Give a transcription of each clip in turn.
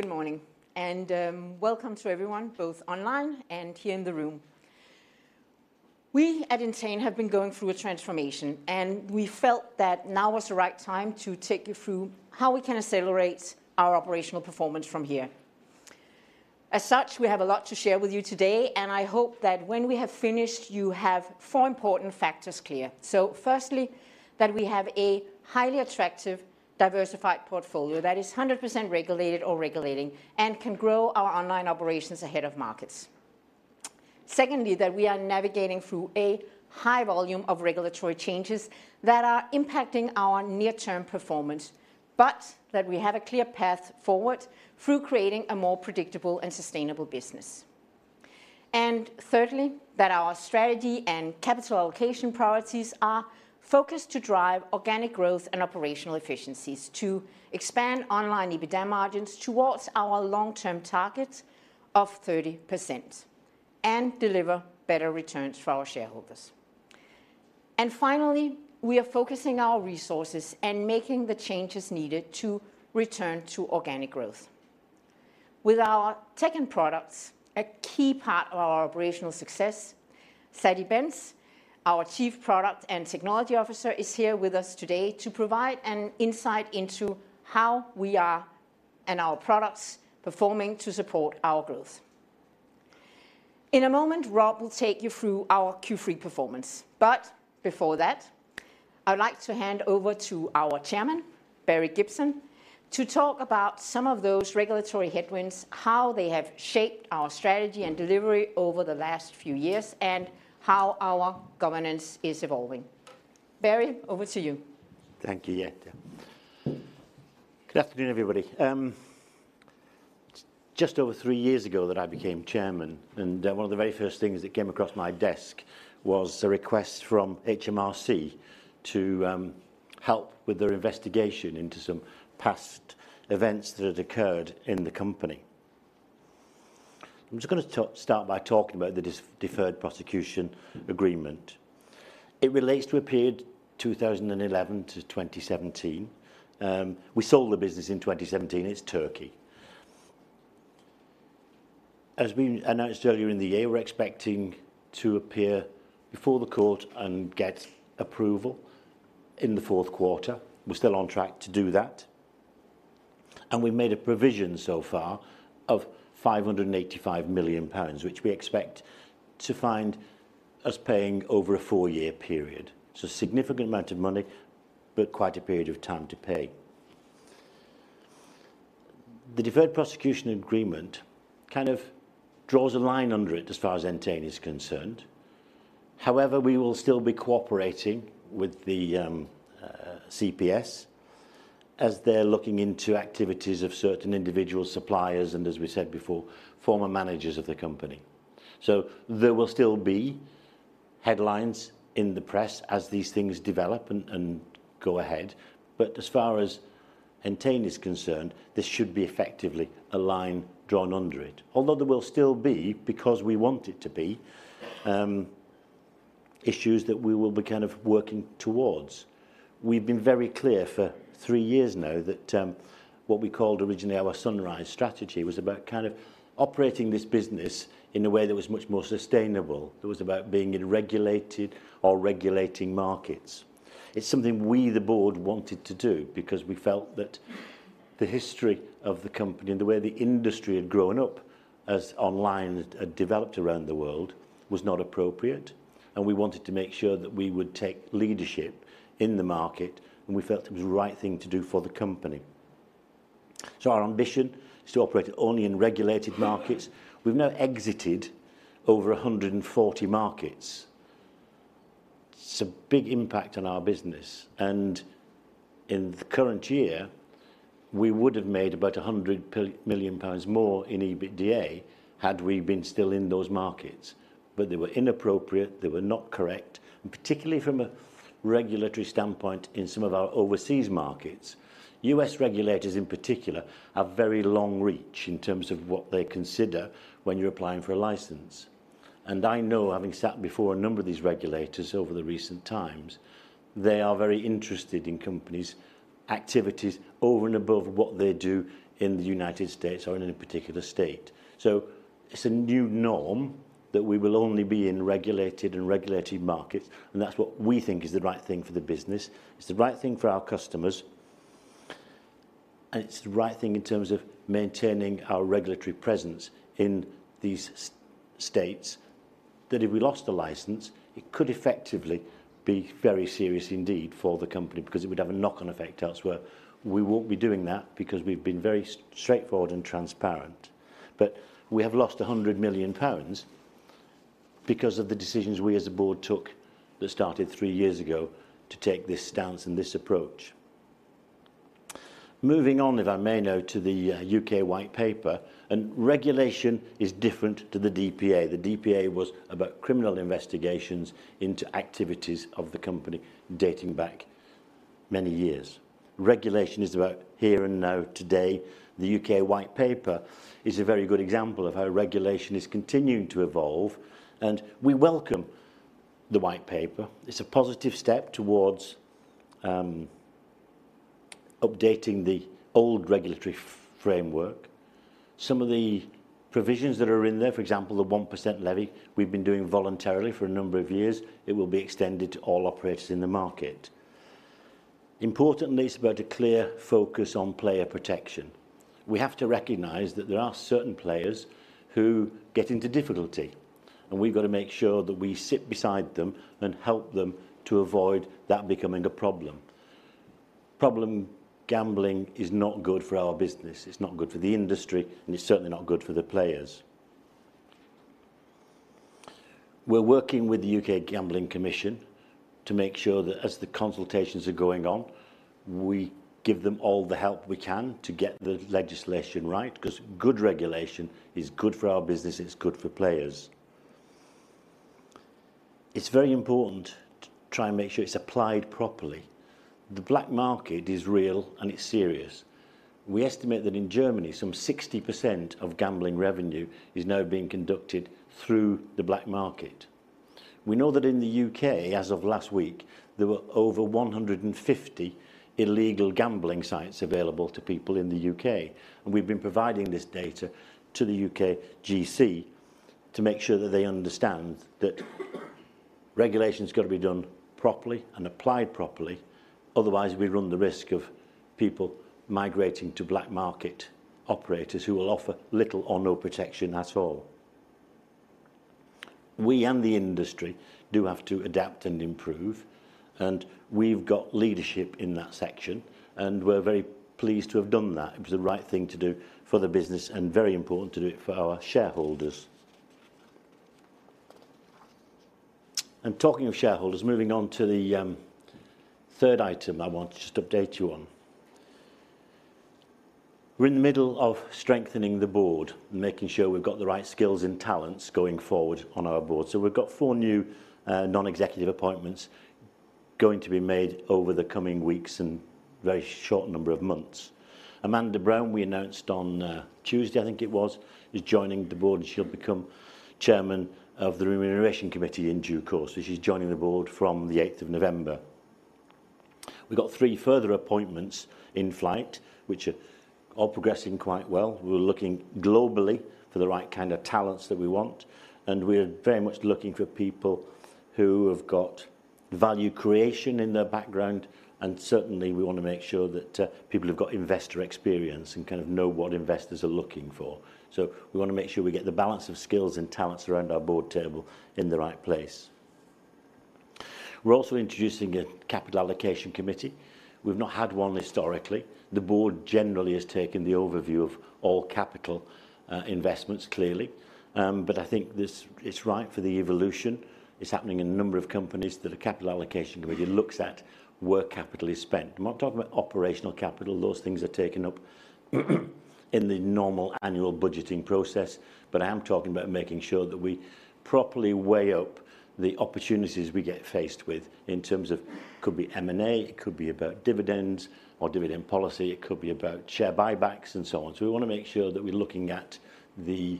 Good morning, and welcome to everyone, both online and here in the room. We at Entain have been going through a transformation, and we felt that now was the right time to take you through how we can accelerate our operational performance from here. As such, we have a lot to share with you today, and I hope that when we have finished you have four important factors clear. So firstly, that we have a highly attractive, diversified portfolio that is 100% regulated or regulating and can grow our online operations ahead of markets. Secondly, that we are navigating through a high volume of regulatory changes that are impacting our near-term performance, but that we have a clear path forward through creating a more predictable and sustainable business. And thirdly, that our strategy and capital allocation priorities are focused to drive organic growth and operational efficiencies, to expand online EBITDA margins towards our long-term target of 30%, and deliver better returns for our shareholders. And finally, we are focusing our resources and making the changes needed to return to organic growth. With our tech and products, a key part of our operational success, Satty Bhens, our Chief Product and Technology Officer, is here with us today to provide an insight into how we are and our products performing to support our growth. In a moment, Rob will take you through our Q3 performance, but before that, I'd like to hand over to our chairman, Barry Gibson, to talk about some of those regulatory headwinds, how they have shaped our strategy and delivery over the last few years, and how our governance is evolving. Barry, over to you. Thank you, Jette. Good afternoon, everybody. It's just over three years ago that I became chairman, and one of the very first things that came across my desk was a request from HMRC to help with their investigation into some past events that had occurred in the company. I'm just going to start by talking about the Deferred Prosecution Agreement. It relates to a period 2011 to 2017. We sold the business in 2017. It's Turkey. As we announced earlier in the year, we're expecting to appear before the court and get approval in the fourth quarter. We're still on track to do that. And we've made a provision so far of 585 million pounds, which we expect to find us paying over a four-year period. So a significant amount of money, but quite a period of time to pay. The Deferred Prosecution Agreement kind of draws a line under it as far as Entain is concerned. However, we will still be cooperating with the CPS as they're looking into activities of certain individual suppliers and, as we said before, former managers of the company. So there will still be headlines in the press as these things develop and go ahead. But as far as Entain is concerned, this should be effectively a line drawn under it. Although there will still be, because we want it to be, issues that we will be kind of working towards. We've been very clear for three years now that what we called originally our Sunrise strategy was about kind of operating this business in a way that was much more sustainable. It was about being in regulated or regulating markets. It's something we, the board, wanted to do because we felt that the history of the company and the way the industry had grown up as online had developed around the world was not appropriate. We wanted to make sure that we would take leadership in the market, and we felt it was the right thing to do for the company. Our ambition is to operate only in regulated markets. We've now exited over 140 markets. It's a big impact on our business. In the current year, we would have made about 100 million pounds more in EBITDA had we been still in those markets. But they were inappropriate. They were not correct. And particularly from a regulatory standpoint in some of our overseas markets, U.S. regulators in particular have very long reach in terms of what they consider when you're applying for a license. I know, having sat before a number of these regulators over the recent times, they are very interested in companies' activities over and above what they do in the United States or in any particular state. So it's a new norm that we will only be in regulated and regulated markets. That's what we think is the right thing for the business. It's the right thing for our customers. It's the right thing in terms of maintaining our regulatory presence in these states that if we lost the license, it could effectively be very serious indeed for the company because it would have a knock-on effect elsewhere. We won't be doing that because we've been very straightforward and transparent. But we have lost 100 million pounds because of the decisions we, as a board, took that started three years ago to take this stance and this approach. Moving on, if I may, now to the U.K. White Paper. Regulation is different to the DPA. The DPA was about criminal investigations into activities of the company dating back many years. Regulation is about here and now, today. The U.K. White Paper is a very good example of how regulation is continuing to evolve. We welcome the White Paper. It's a positive step towards updating the old regulatory framework. Some of the provisions that are in there, for example, the 1% levy we've been doing voluntarily for a number of years, it will be extended to all operators in the market. Importantly, it's about a clear focus on player protection. We have to recognize that there are certain players who get into difficulty. We've got to make sure that we sit beside them and help them to avoid that becoming a problem. Problem gambling is not good for our business. It's not good for the industry, and it's certainly not good for the players. We're working with the UK Gambling Commission to make sure that as the consultations are going on, we give them all the help we can to get the legislation right because good regulation is good for our business. It's good for players. It's very important to try and make sure it's applied properly. The black market is real, and it's serious. We estimate that in Germany, some 60% of gambling revenue is now being conducted through the black market. We know that in the UK, as of last week, there were over 150 illegal gambling sites available to people in the UK. We've been providing this data to the UK GC to make sure that they understand that regulation's got to be done properly and applied properly. Otherwise, we run the risk of people migrating to black market operators who will offer little or no protection at all. We and the industry do have to adapt and improve. We've got leadership in that section, and we're very pleased to have done that. It was the right thing to do for the business and very important to do it for our shareholders. Talking of shareholders, moving on to the third item I want to just update you on. We're in the middle of strengthening the board and making sure we've got the right skills and talents going forward on our board. We've got four new non-executive appointments going to be made over the coming weeks and very short number of months. Amanda Brown, we announced on Tuesday, I think it was, is joining the board. She'll become chairman of the Remuneration Committee in due course. So she's joining the board from the 8th of November. We've got three further appointments in flight, which are all progressing quite well. We're looking globally for the right kind of talents that we want. And we're very much looking for people who have got value creation in their background. And certainly, we want to make sure that people have got investor experience and kind of know what investors are looking for. So we want to make sure we get the balance of skills and talents around our board table in the right place. We're also introducing a Capital Allocation Committee. We've not had one historically. The board generally has taken the overview of all capital investments, clearly. But I think it's right for the evolution. It's happening in a number of companies that a Capital Allocation Committee looks at where capital is spent. I'm not talking about operational capital. Those things are taken up in the normal annual budgeting process. But I am talking about making sure that we properly weigh up the opportunities we get faced with in terms of it could be M&A. It could be about dividends or dividend policy. It could be about share buybacks and so on. So we want to make sure that we're looking at the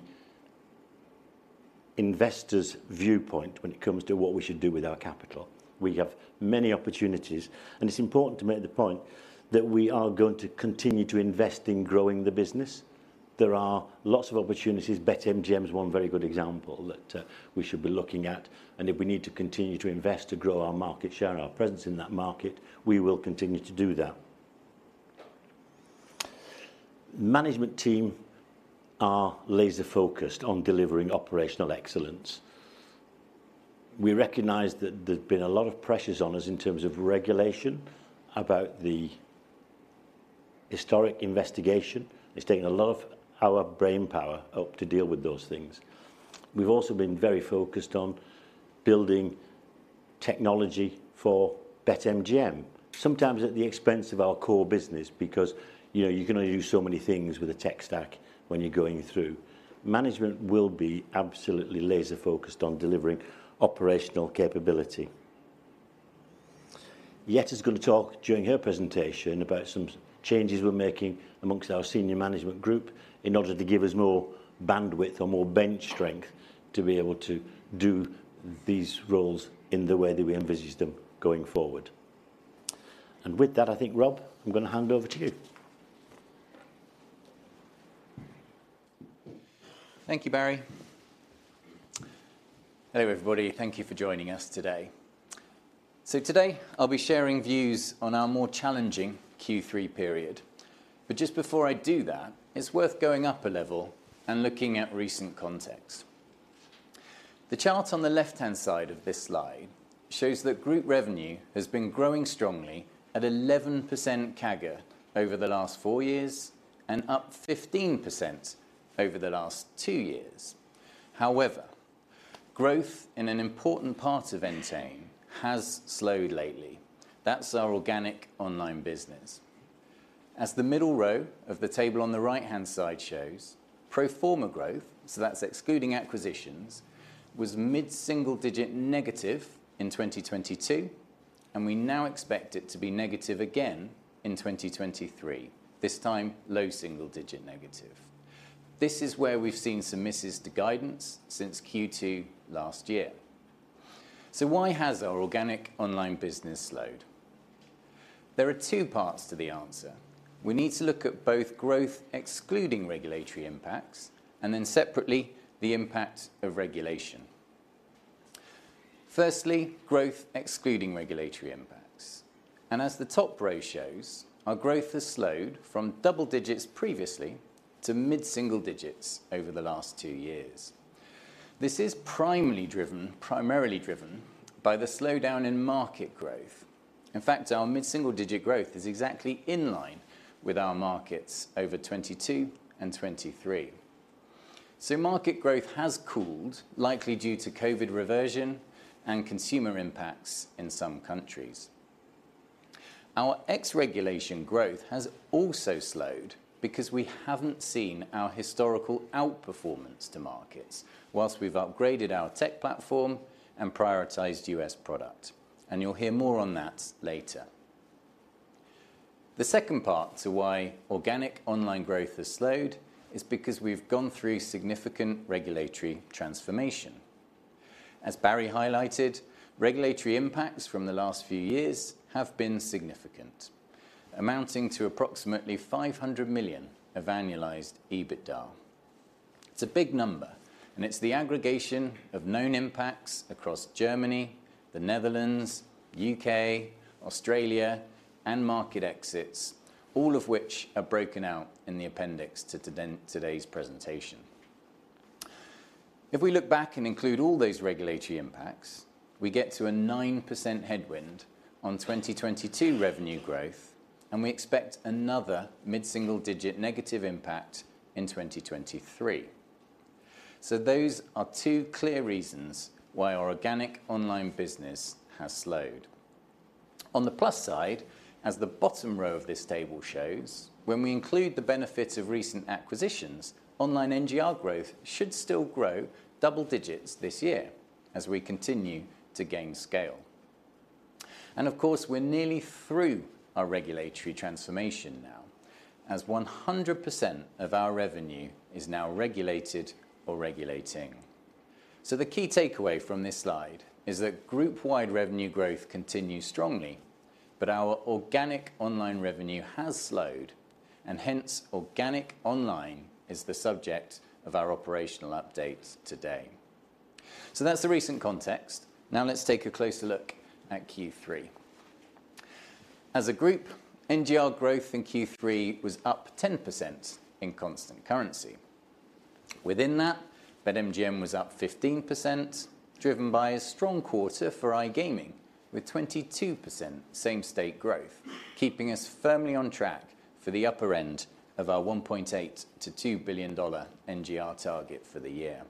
investor's viewpoint when it comes to what we should do with our capital. We have many opportunities. And it's important to make the point that we are going to continue to invest in growing the business. There are lots of opportunities. BetMGM is one very good example that we should be looking at. And if we need to continue to invest to grow our market share, our presence in that market, we will continue to do that. Management team are laser-focused on delivering operational excellence. We recognize that there's been a lot of pressures on us in terms of regulation about the historic investigation. It's taken a lot of our brainpower up to deal with those things. We've also been very focused on building technology for BetMGM, sometimes at the expense of our core business because you can only do so many things with a tech stack when you're going through. Management will be absolutely laser-focused on delivering operational capability. Jette is going to talk during her presentation about some changes we're making amongst our senior management group in order to give us more bandwidth or more bench strength to be able to do these roles in the way that we envisage them going forward. With that, I think, Rob, I'm going to hand over to you. Thank you, Barry. Hello, everybody. Thank you for joining us today. So today, I'll be sharing views on our more challenging Q3 period. But just before I do that, it's worth going up a level and looking at recent context. The chart on the left-hand side of this slide shows that group revenue has been growing strongly at 11% CAGR over the last four years and up 15% over the last two years. However, growth in an important part of Entain has slowed lately. That's our organic online business. As the middle row of the table on the right-hand side shows, pro forma growth, so that's excluding acquisitions, was mid-single-digit negative in 2022. And we now expect it to be negative again in 2023, this time low single-digit negative. This is where we've seen some misses to guidance since Q2 last year. So why has our organic online business slowed? There are two parts to the answer. We need to look at both growth excluding regulatory impacts and then, separately, the impact of regulation. Firstly, growth excluding regulatory impacts. As the top row shows, our growth has slowed from double digits previously to mid-single digits over the last two years. This is primarily driven by the slowdown in market growth. In fact, our mid-single-digit growth is exactly in line with our markets over 2022 and 2023. Market growth has cooled, likely due to COVID reversion and consumer impacts in some countries. Our ex-regulation growth has also slowed because we haven't seen our historical outperformance to markets while we've upgraded our tech platform and prioritized U.S. product. You'll hear more on that later. The second part to why organic online growth has slowed is because we've gone through significant regulatory transformation. As Barry highlighted, regulatory impacts from the last few years have been significant, amounting to approximately 500 million of annualized EBITDA. It's a big number. And it's the aggregation of known impacts across Germany, the Netherlands, UK, Australia, and market exits, all of which are broken out in the appendix to today's presentation. If we look back and include all those regulatory impacts, we get to a 9% headwind on 2022 revenue growth. And we expect another mid-single-digit negative impact in 2023. So those are two clear reasons why our organic online business has slowed. On the plus side, as the bottom row of this table shows, when we include the benefits of recent acquisitions, online NGR growth should still grow double digits this year as we continue to gain scale. Of course, we're nearly through our regulatory transformation now as 100% of our revenue is now regulated or regulating. The key takeaway from this slide is that group-wide revenue growth continues strongly. Our organic online revenue has slowed. Hence, organic online is the subject of our operational update today. That's the recent context. Now, let's take a closer look at Q3. As a group, NGR growth in Q3 was up 10% in constant currency. Within that, BetMGM was up 15%, driven by a strong quarter for iGaming with 22% same-state growth, keeping us firmly on track for the upper end of our $1.8-$2 billion NGR target for the year.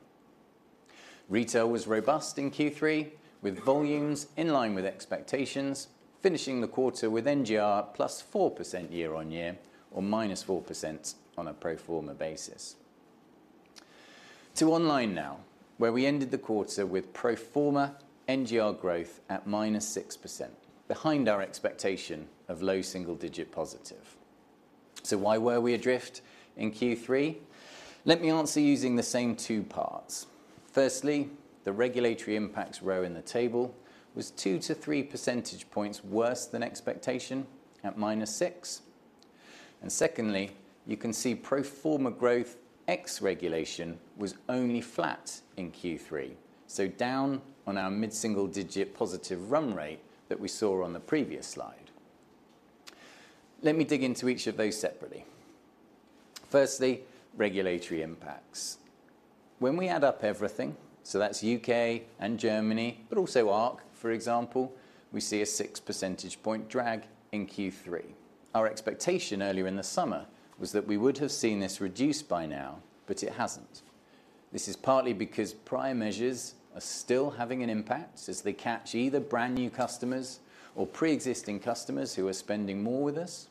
Retail was robust in Q3 with volumes in line with expectations, finishing the quarter with NGR +4% year-on-year or -4% on a pro forma basis. To online now, where we ended the quarter with pro forma NGR growth at -6%, behind our expectation of low single-digit positive. So why were we adrift in Q3? Let me answer using the same two parts. Firstly, the regulatory impacts row in the table was 2-3 percentage points worse than expectation at -6. And secondly, you can see pro forma growth ex-regulation was only flat in Q3, so down on our mid-single-digit positive run rate that we saw on the previous slide. Let me dig into each of those separately. Firstly, regulatory impacts. When we add up everything, so that's U.K. and Germany, but also ARC, for example, we see a 6 percentage point drag in Q3. Our expectation earlier in the summer was that we would have seen this reduced by now, but it hasn't. This is partly because prior measures are still having an impact as they catch either brand new customers or pre-existing customers who are spending more with us.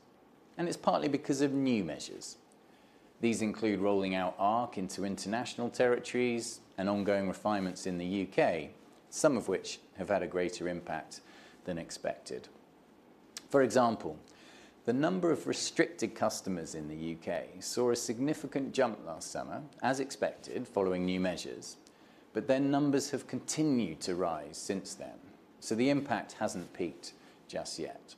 It's partly because of new measures. These include rolling out ARC into international territories and ongoing refinements in the UK, some of which have had a greater impact than expected. For example, the number of restricted customers in the UK saw a significant jump last summer, as expected following new measures. Their numbers have continued to rise since then. The impact hasn't peaked just yet.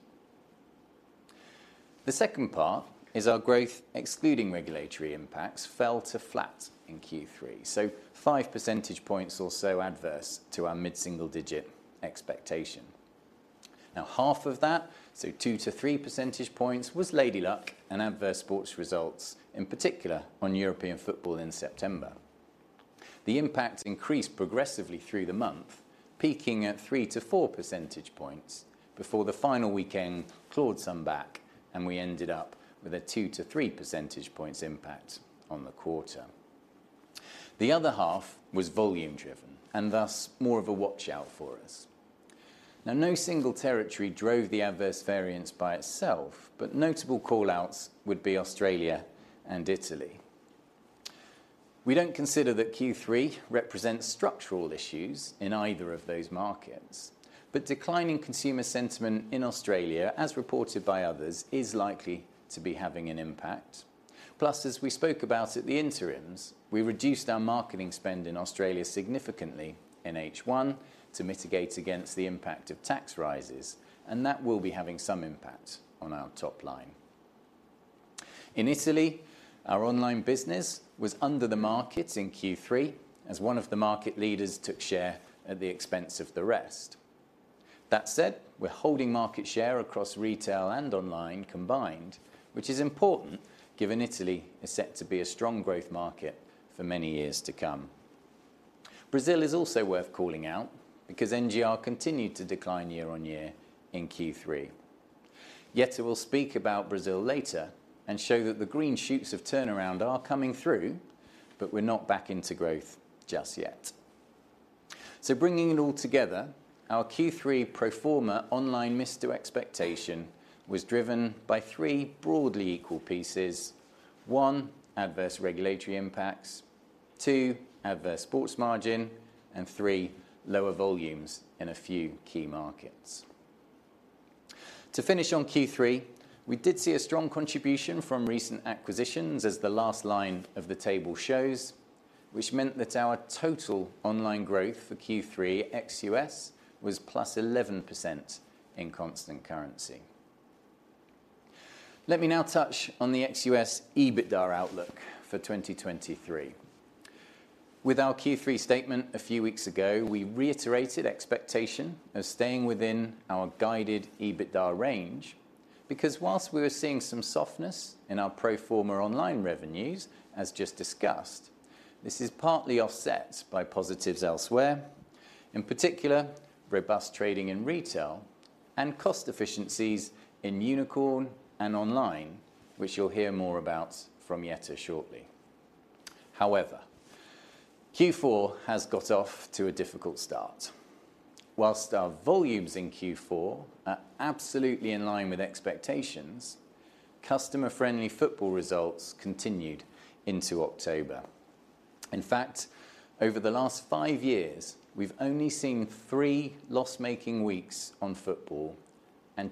The second part is our growth excluding regulatory impacts fell to flat in Q3, so 5 percentage points or so adverse to our mid-single-digit expectation. Now, half of that, so 2-3 percentage points, was lady luck and adverse sports results, in particular on European football in September. The impact increased progressively through the month, peaking at 3-4 percentage points before the final weekend clawed some back. We ended up with a 2-3 percentage points impact on the quarter. The other half was volume-driven and thus more of a watch out for us. Now, no single territory drove the adverse variance by itself. Notable callouts would be Australia and Italy. We don't consider that Q3 represents structural issues in either of those markets. Declining consumer sentiment in Australia, as reported by others, is likely to be having an impact. Plus, as we spoke about at the interims, we reduced our marketing spend in Australia significantly in H1 to mitigate against the impact of tax rises. That will be having some impact on our top line. In Italy, our online business was under the market in Q3 as one of the market leaders took share at the expense of the rest. That said, we're holding market share across retail and online combined, which is important given Italy is set to be a strong growth market for many years to come. Brazil is also worth calling out because NGR continued to decline year-on-year in Q3. Jette will speak about Brazil later and show that the green shoots of turnaround are coming through. But we're not back into growth just yet. So bringing it all together, our Q3 pro forma online missed to expectation was driven by three broadly equal pieces: one, adverse regulatory impacts, two, adverse sports margin, and three, lower volumes in a few key markets. To finish on Q3, we did see a strong contribution from recent acquisitions, as the last line of the table shows, which meant that our total online growth for Q3 ex-US was +11% in constant currency. Let me now touch on the ex-US EBITDA outlook for 2023. With our Q3 statement a few weeks ago, we reiterated expectation of staying within our guided EBITDA range because whilst we were seeing some softness in our pro forma online revenues, as just discussed, this is partly offset by positives elsewhere, in particular robust trading in retail and cost efficiencies in Unikrn and online, which you'll hear more about from Jette shortly. However, Q4 has got off to a difficult start. Whilst our volumes in Q4 are absolutely in line with expectations, customer-friendly football results continued into October. In fact, over the last five years, we've only seen three loss-making weeks on football.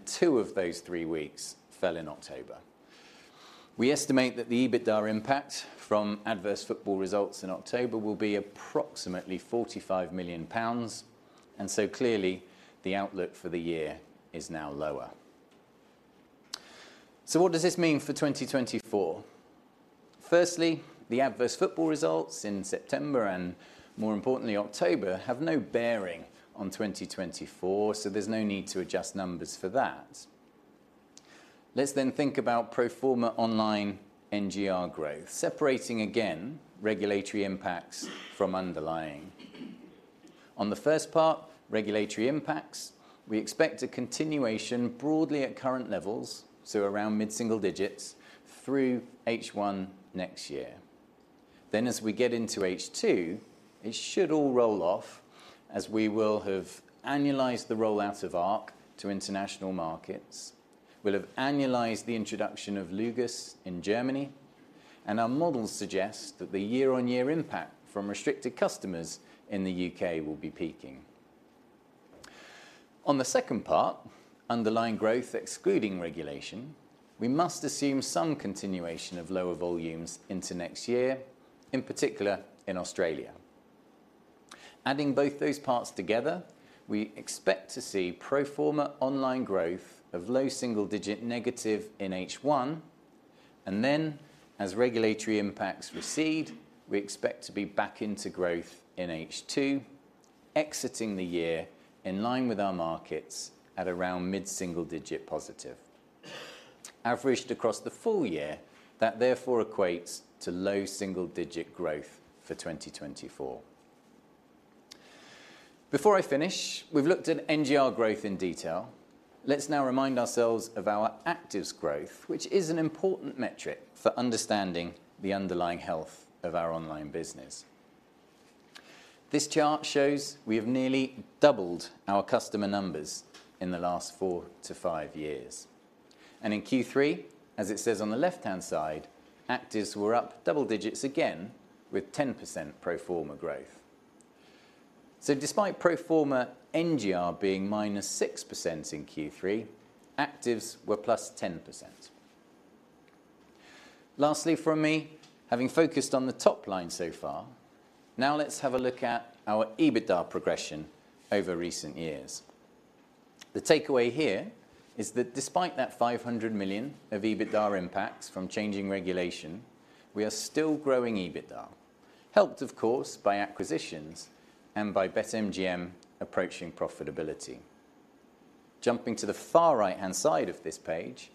Two of those three weeks fell in October. We estimate that the EBITDA impact from adverse football results in October will be approximately 45 million pounds. Clearly, the outlook for the year is now lower. What does this mean for 2024? Firstly, the adverse football results in September and, more importantly, October have no bearing on 2024. There's no need to adjust numbers for that. Let's then think about pro forma online NGR growth, separating again regulatory impacts from underlying. On the first part, regulatory impacts, we expect a continuation broadly at current levels, so around mid-single digits, through H1 next year. Then, as we get into H2, it should all roll off as we will have annualized the rollout of ARC to international markets, will have annualized the introduction of LUGAS in Germany. Our models suggest that the year-on-year impact from restricted customers in the UK will be peaking. On the second part, underlying growth excluding regulation, we must assume some continuation of lower volumes into next year, in particular in Australia. Adding both those parts together, we expect to see pro forma online growth of low single-digit negative in H1. Then, as regulatory impacts recede, we expect to be back into growth in H2, exiting the year in line with our markets at around mid-single-digit positive, averaged across the full year that therefore equates to low single-digit growth for 2024. Before I finish, we've looked at NGR growth in detail. Let's now remind ourselves of our actives growth, which is an important metric for understanding the underlying health of our online business. This chart shows we have nearly doubled our customer numbers in the last four to five years. In Q3, as it says on the left-hand side, actives were up double digits again with 10% pro forma growth. Despite pro forma NGR being -6% in Q3, actives were +10%. Lastly, from me, having focused on the top line so far, now let's have a look at our EBITDA progression over recent years. The takeaway here is that despite that 500 million of EBITDA impacts from changing regulation, we are still growing EBITDA, helped, of course, by acquisitions and by BetMGM approaching profitability. Jumping to the far right-hand side of this page,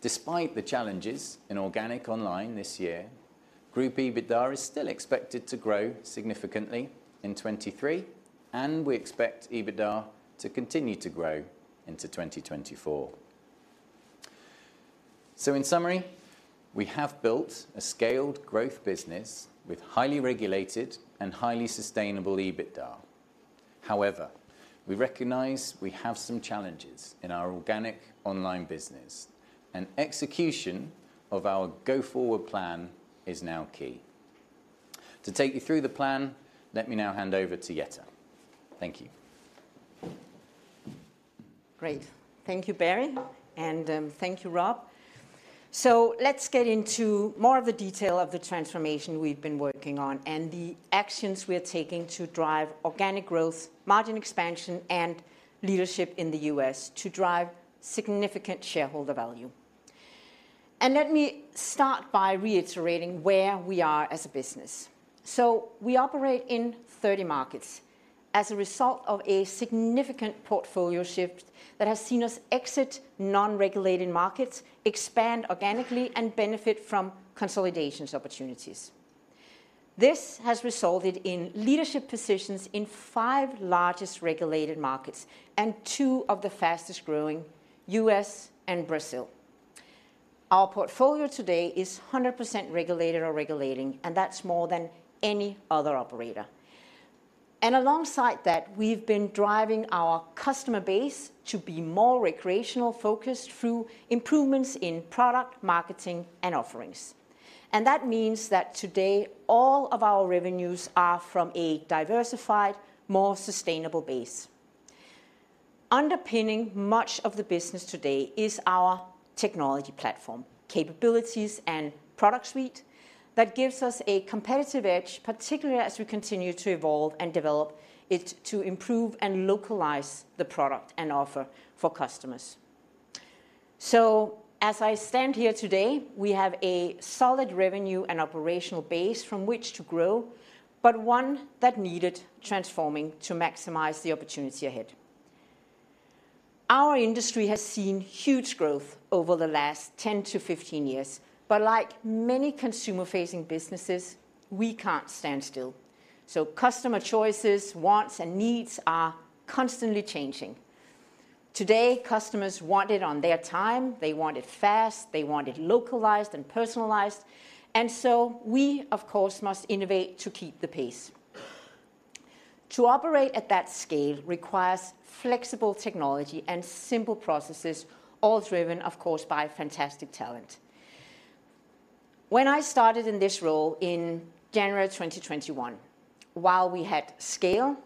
despite the challenges in organic online this year, group EBITDA is still expected to grow significantly in 2023. We expect EBITDA to continue to grow into 2024. In summary, we have built a scaled growth business with highly regulated and highly sustainable EBITDA. However, we recognize we have some challenges in our organic online business. Execution of our go-forward plan is now key. To take you through the plan, let me now hand over to Jette. Thank you. Great. Thank you, Barry. And thank you, Rob. So let's get into more of the detail of the transformation we've been working on and the actions we are taking to drive organic growth, margin expansion, and leadership in the US to drive significant shareholder value. Let me start by reiterating where we are as a business. We operate in 30 markets as a result of a significant portfolio shift that has seen us exit non-regulated markets, expand organically, and benefit from consolidation opportunities. This has resulted in leadership positions in five largest regulated markets and two of the fastest growing, US and Brazil. Our portfolio today is 100% regulated or regulating. That's more than any other operator. Alongside that, we've been driving our customer base to be more recreational-focused through improvements in product, marketing, and offerings. That means that today, all of our revenues are from a diversified, more sustainable base. Underpinning much of the business today is our technology platform, capabilities, and product suite that gives us a competitive edge, particularly as we continue to evolve and develop it to improve and localize the product and offer for customers. So as I stand here today, we have a solid revenue and operational base from which to grow, but one that needed transforming to maximize the opportunity ahead. Our industry has seen huge growth over the last 10-15 years. Like many consumer-facing businesses, we can't stand still. Customer choices, wants, and needs are constantly changing. Today, customers want it on their time. They want it fast. They want it localized and personalized. And so we, of course, must innovate to keep the pace. To operate at that scale requires flexible technology and simple processes, all driven, of course, by fantastic talent. When I started in this role in January 2021, while we had scale,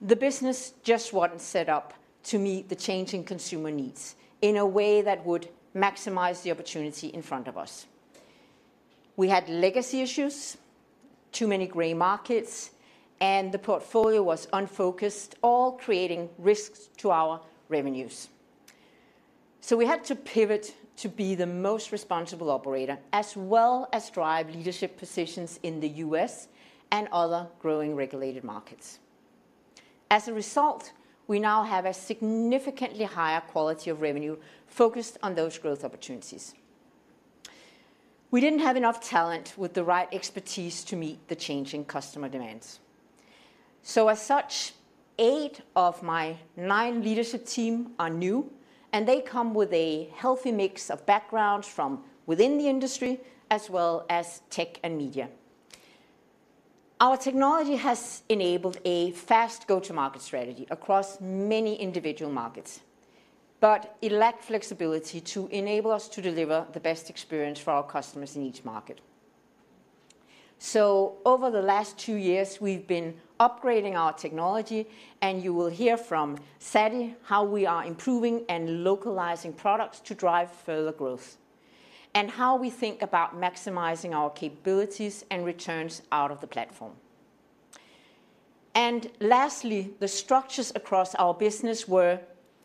the business just wasn't set up to meet the changing consumer needs in a way that would maximize the opportunity in front of us. We had legacy issues, too many gray markets. The portfolio was unfocused, all creating risks to our revenues. We had to pivot to be the most responsible operator as well as drive leadership positions in the U.S. and other growing regulated markets. As a result, we now have a significantly higher quality of revenue focused on those growth opportunities. We didn't have enough talent with the right expertise to meet the changing customer demands. As such, eight of my nine leadership team are new. They come with a healthy mix of backgrounds from within the industry as well as tech and media. Our technology has enabled a fast go-to-market strategy across many individual markets. But it lacks flexibility to enable us to deliver the best experience for our customers in each market. So over the last two years, we've been upgrading our technology. And you will hear from Satty how we are improving and localizing products to drive further growth and how we think about maximizing our capabilities and returns out of the platform. And lastly, the structures across our business were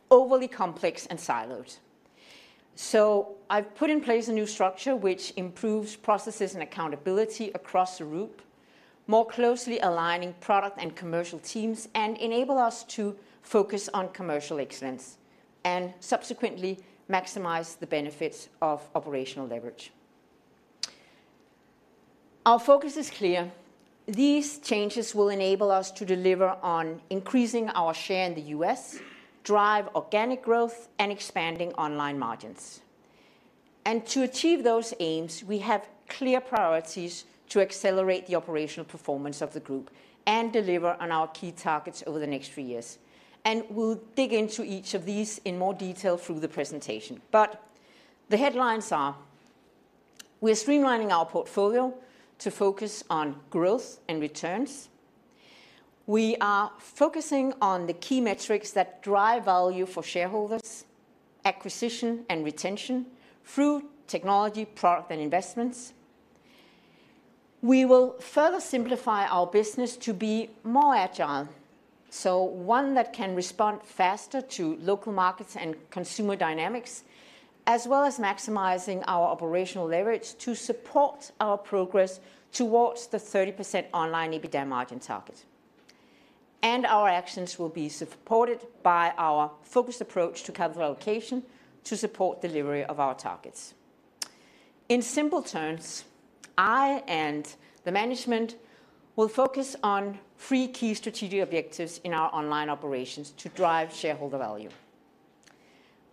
overly complex and siloed. So I've put in place a new structure, which improves processes and accountability across the group, more closely aligning product and commercial teams and enables us to focus on commercial excellence and subsequently maximize the benefits of operational leverage. Our focus is clear. These changes will enable us to deliver on increasing our share in the U.S., drive organic growth, and expanding online margins. To achieve those aims, we have clear priorities to accelerate the operational performance of the group and deliver on our key targets over the next three years. We'll dig into each of these in more detail through the presentation. The headlines are: We are streamlining our portfolio to focus on growth and returns. We are focusing on the key metrics that drive value for shareholders, acquisition and retention through technology, product, and investments. We will further simplify our business to be more agile, so one that can respond faster to local markets and consumer dynamics, as well as maximizing our operational leverage to support our progress towards the 30% online EBITDA margin target. Our actions will be supported by our focused approach to capital allocation to support delivery of our targets. In simple terms, I and the management will focus on three key strategic objectives in our online operations to drive shareholder value.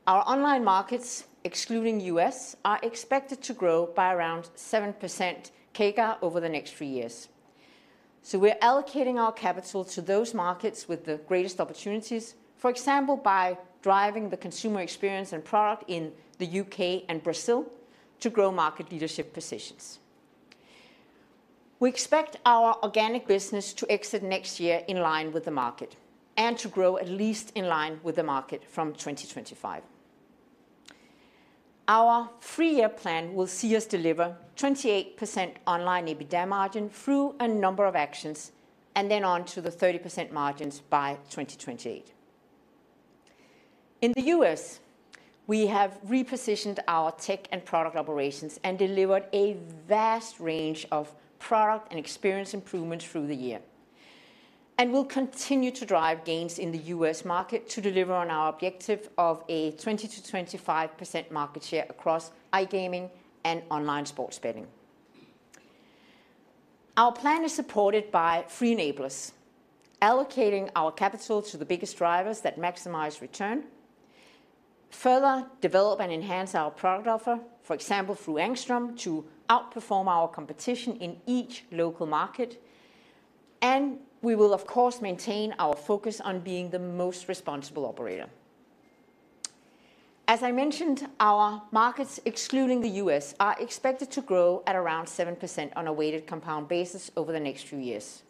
Our online markets, excluding the U.S., are expected to grow by around 7% CAGR over the next three years. So we are allocating our capital to those markets with the greatest opportunities, for example, by driving the consumer experience and product in the U.K. and Brazil to grow market leadership positions. We expect our organic business to exit next year in line with the market and to grow at least in line with the market from 2025. Our three-year plan will see us deliver 28% online EBITDA margin through a number of actions and then on to the 30% margins by 2028. In the U.S., we have repositioned our tech and product operations and delivered a vast range of product and experience improvements through the year and will continue to drive gains in the U.S. market to deliver on our objective of a 20%-25% market share across e-gaming and online sports betting. Our plan is supported by free enablers, allocating our capital to the biggest drivers that maximize return, further develop and enhance our product offer, for example, through Angstrom, to outperform our competition in each local market. We will, of course, maintain our focus on being the most responsible operator. As I mentioned, our markets, excluding the U.S., are expected to grow at around 7% on a weighted compound basis over the next few years.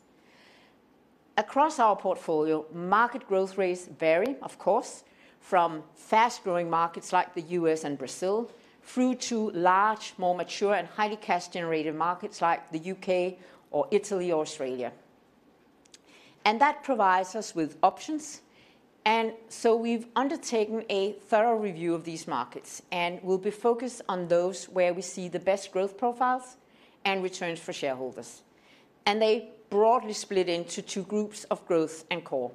Across our portfolio, market growth rates vary, of course, from fast-growing markets like the US and Brazil through to large, more mature, and highly cash-generative markets like the UK or Italy or Australia. That provides us with options. So we've undertaken a thorough review of these markets and will be focused on those where we see the best growth profiles and returns for shareholders. They broadly split into two groups of growth and core.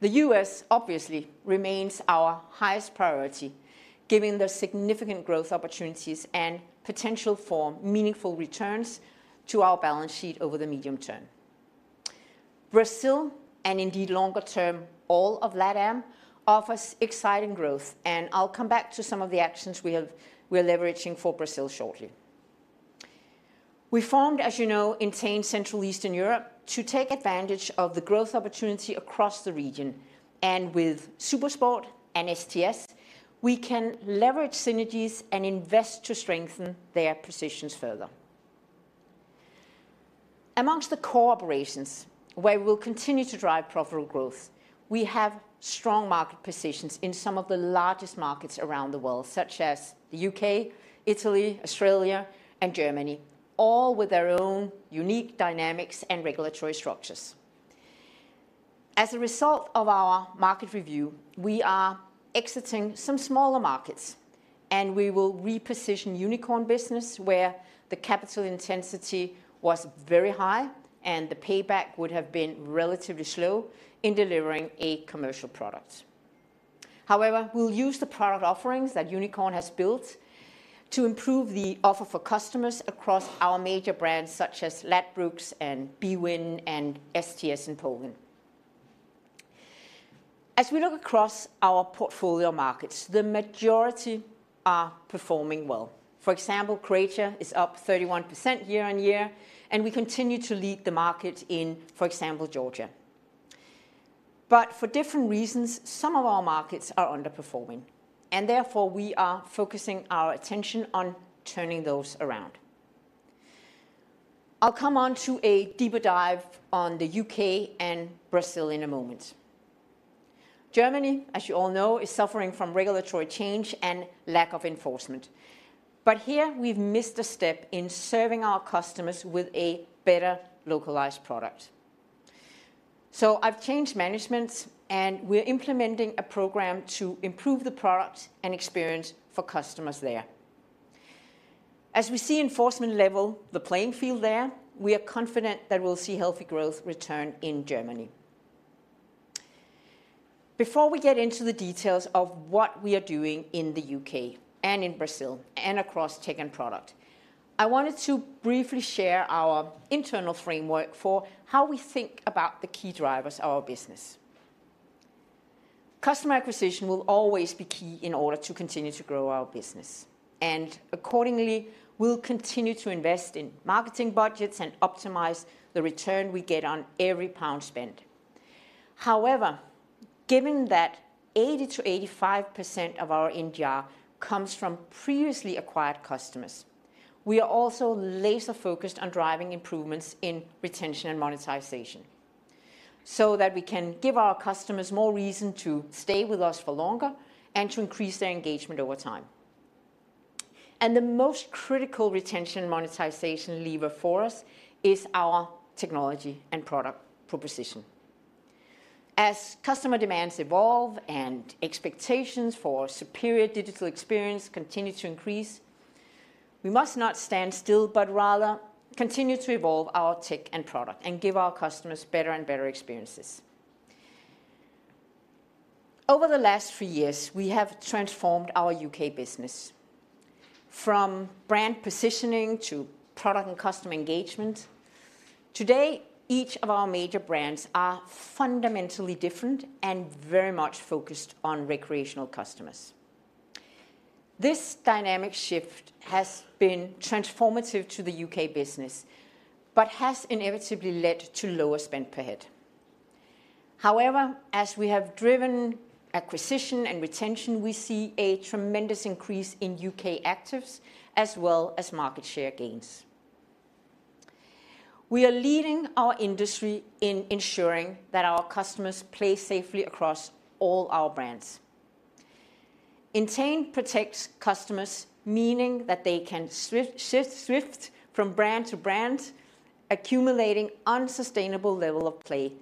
The US, obviously, remains our highest priority, given the significant growth opportunities and potential for meaningful returns to our balance sheet over the medium term. Brazil, and indeed longer term, all of LATAM, offers exciting growth. I'll come back to some of the actions we are leveraging for Brazil shortly. We formed, as you know, Entain Central Eastern Europe to take advantage of the growth opportunity across the region. With SuperSport and STS, we can leverage synergies and invest to strengthen their positions further. Among the core operations where we will continue to drive profitable growth, we have strong market positions in some of the largest markets around the world, such as the UK, Italy, Australia, and Germany, all with their own unique dynamics and regulatory structures. As a result of our market review, we are exiting some smaller markets. And we will reposition Unikrn business, where the capital intensity was very high and the payback would have been relatively slow in delivering a commercial product. However, we'll use the product offerings that Unikrn has built to improve the offer for customers across our major brands, such as Ladbrokes and bwin and STS in Poland. As we look across our portfolio markets, the majority are performing well. For example, Croatia is up 31% year-on-year. We continue to lead the market in, for example, Georgia. But for different reasons, some of our markets are underperforming. Therefore, we are focusing our attention on turning those around. I'll come on to a deeper dive on the UK and Brazil in a moment. Germany, as you all know, is suffering from regulatory change and lack of enforcement. But here, we've missed a step in serving our customers with a better localized product. I've changed management. We are implementing a program to improve the product and experience for customers there. As we see enforcement level the playing field there, we are confident that we'll see healthy growth return in Germany. Before we get into the details of what we are doing in the UK and in Brazil and across tech and product, I wanted to briefly share our internal framework for how we think about the key drivers of our business. Customer acquisition will always be key in order to continue to grow our business. And accordingly, we'll continue to invest in marketing budgets and optimize the return we get on every pound spent. However, given that 80%-85% of our NGR comes from previously acquired customers, we are also laser-focused on driving improvements in retention and monetization so that we can give our customers more reason to stay with us for longer and to increase their engagement over time. And the most critical retention and monetization lever for us is our technology and product proposition. As customer demands evolve and expectations for superior digital experience continue to increase, we must not stand still but rather continue to evolve our tech and product and give our customers better and better experiences. Over the last three years, we have transformed our UK business from brand positioning to product and customer engagement. Today, each of our major brands are fundamentally different and very much focused on recreational customers. This dynamic shift has been transformative to the UK business but has inevitably led to lower spend per head. However, as we have driven acquisition and retention, we see a tremendous increase in UK actives as well as market share gains. We are leading our industry in ensuring that our customers play safely across all our brands. Entain protects customers, meaning that they can shift from brand to brand, accumulating unsustainable levels of play.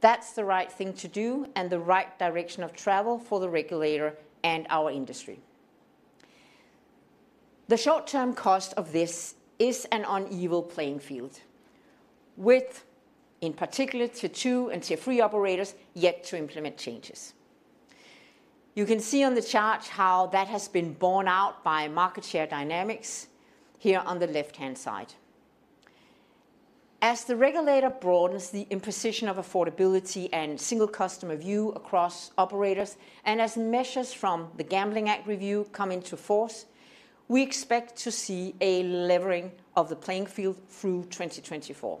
That's the right thing to do and the right direction of travel for the regulator and our industry. The short-term cost of this is an uneven playing field with, in particular, Tier 2 and Tier 3 operators yet to implement changes. You can see on the chart how that has been borne out by market share dynamics here on the left-hand side. As the regulator broadens the imposition of affordability and single customer view across operators and as measures from the Gambling Act review come into force, we expect to see a leveling of the playing field through 2024.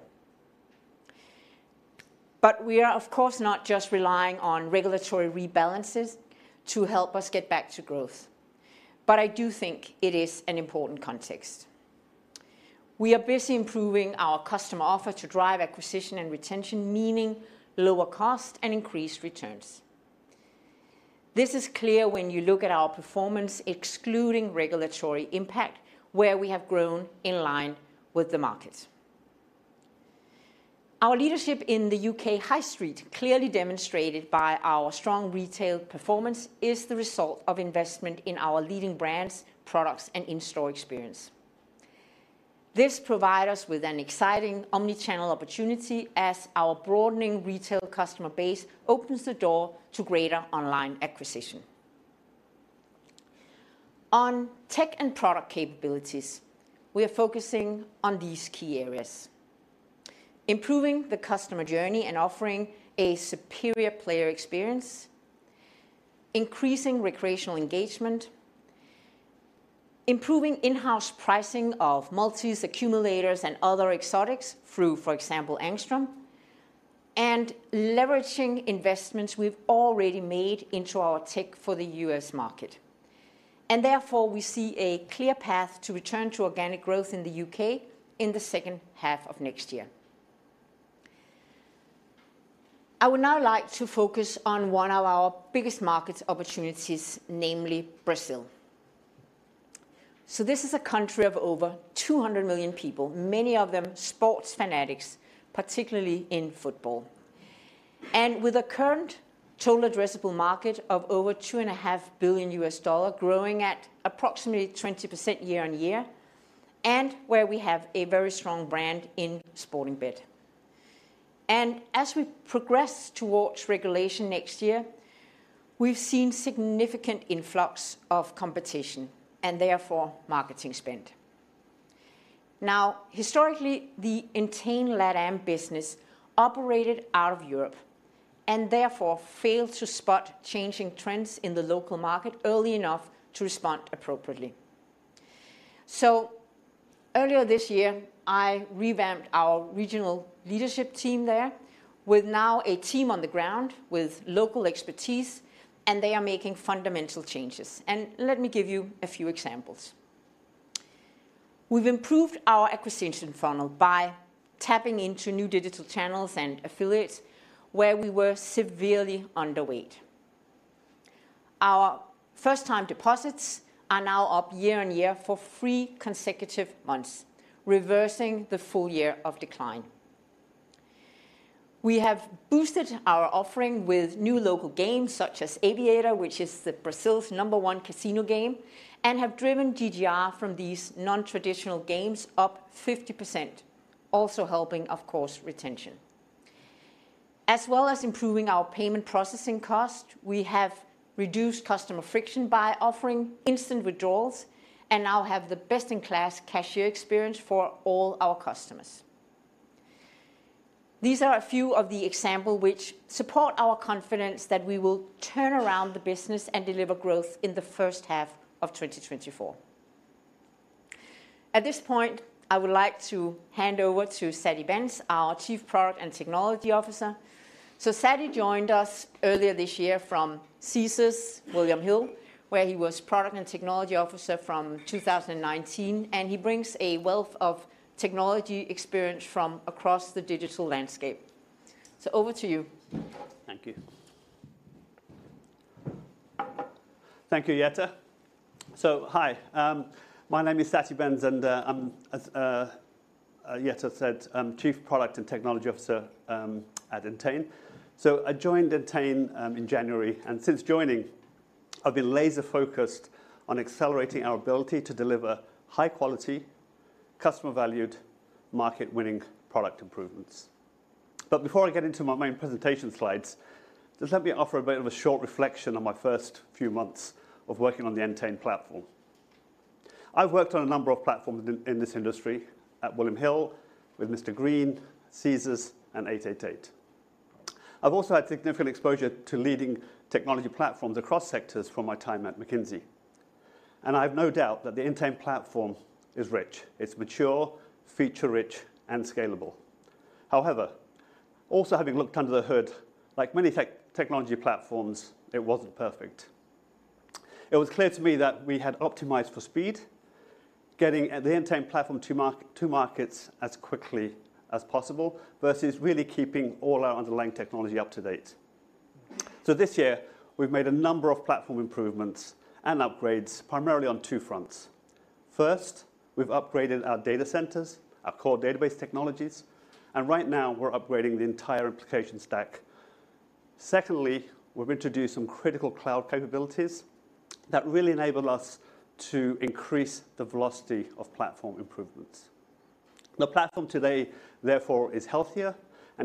But we are, of course, not just relying on regulatory rebalances to help us get back to growth. But I do think it is an important context. We are busy improving our customer offer to drive acquisition and retention, meaning lower cost and increased returns. This is clear when you look at our performance excluding regulatory impact, where we have grown in line with the market. Our leadership in the U.K. high street, clearly demonstrated by our strong retail performance, is the result of investment in our leading brands, products, and in-store experience. This provides us with an exciting omnichannel opportunity as our broadening retail customer base opens the door to greater online acquisition. On tech and product capabilities, we are focusing on these key areas: improving the customer journey and offering a superior player experience, increasing recreational engagement, improving in-house pricing of multi-accumulators and other exotics through, for example, Angstrom, and leveraging investments we've already made into our tech for the U.S. market. And therefore, we see a clear path to return to organic growth in the U.K. in the second half of next year. I would now like to focus on one of our biggest market opportunities, namely Brazil. This is a country of over 200 million people, many of them sports fanatics, particularly in football. With a current total addressable market of over $2.5 billion, growing at approximately 20% year-on-year, and where we have a very strong brand in Sportingbet. As we progress towards regulation next year, we've seen significant influx of competition and therefore marketing spend. Now, historically, the Entain LATAM business operated out of Europe and therefore failed to spot changing trends in the local market early enough to respond appropriately. Earlier this year, I revamped our regional leadership team there with now a team on the ground with local expertise. They are making fundamental changes. Let me give you a few examples. We've improved our acquisition funnel by tapping into new digital channels and affiliates where we were severely underweight. Our first-time deposits are now up year on year for three consecutive months, reversing the full year of decline. We have boosted our offering with new local games such as Aviator, which is Brazil's number one casino game, and have driven GGR from these non-traditional games up 50%, also helping, of course, retention. As well as improving our payment processing cost, we have reduced customer friction by offering instant withdrawals and now have the best-in-class cashier experience for all our customers. These are a few of the examples which support our confidence that we will turn around the business and deliver growth in the first half of 2024. At this point, I would like to hand over to Satty Bhens, our Chief Product and Technology Officer. Satty joined us earlier this year from Caesars, William Hill, where he was Product and Technology Officer from 2019. He brings a wealth of technology experience from across the digital landscape. Over to you. Thank you. Thank you, Jette. So hi. My name is Satty Bhens. And I'm, as Jette said, Chief Product and Technology Officer at Entain. So I joined Entain in January. And since joining, I've been laser-focused on accelerating our ability to deliver high-quality, customer-valued, market-winning product improvements. But before I get into my main presentation slides, just let me offer a bit of a short reflection on my first few months of working on the Entain platform. I've worked on a number of platforms in this industry at William Hill, with Mr. Green, Caesars, and 888. I've also had significant exposure to leading technology platforms across sectors from my time at McKinsey. And I have no doubt that the Entain platform is rich. It's mature, feature-rich, and scalable. However, also having looked under the hood, like many technology platforms, it wasn't perfect. It was clear to me that we had optimized for speed, getting the Entain platform to markets as quickly as possible, versus really keeping all our underlying technology up to date. This year, we've made a number of platform improvements and upgrades, primarily on two fronts. First, we've upgraded our data centers, our core database technologies. Right now, we're upgrading the entire application stack. Secondly, we've introduced some critical cloud capabilities that really enable us to increase the velocity of platform improvements. The platform today, therefore, is healthier.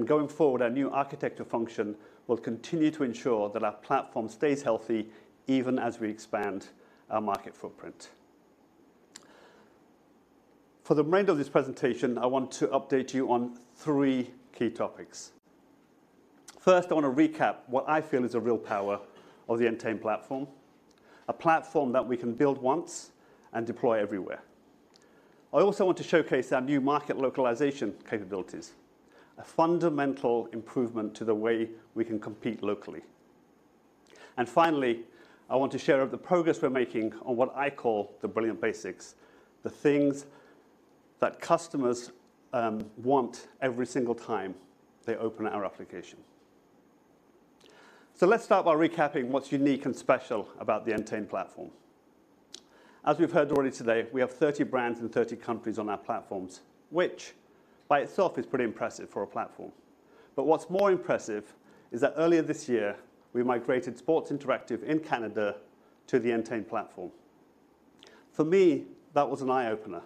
Going forward, our new architecture function will continue to ensure that our platform stays healthy even as we expand our market footprint. For the remainder of this presentation, I want to update you on three key topics. First, I want to recap what I feel is the real power of the Entain platform: a platform that we can build once and deploy everywhere. I also want to showcase our new market localization capabilities, a fundamental improvement to the way we can compete locally. And finally, I want to share the progress we're making on what I call the brilliant basics, the things that customers want every single time they open our application. So let's start by recapping what's unique and special about the Entain platform. As we've heard already today, we have 30 brands in 30 countries on our platforms, which by itself is pretty impressive for a platform. But what's more impressive is that earlier this year, we migrated Sports Interaction in Canada to the Entain platform. For me, that was an eye-opener.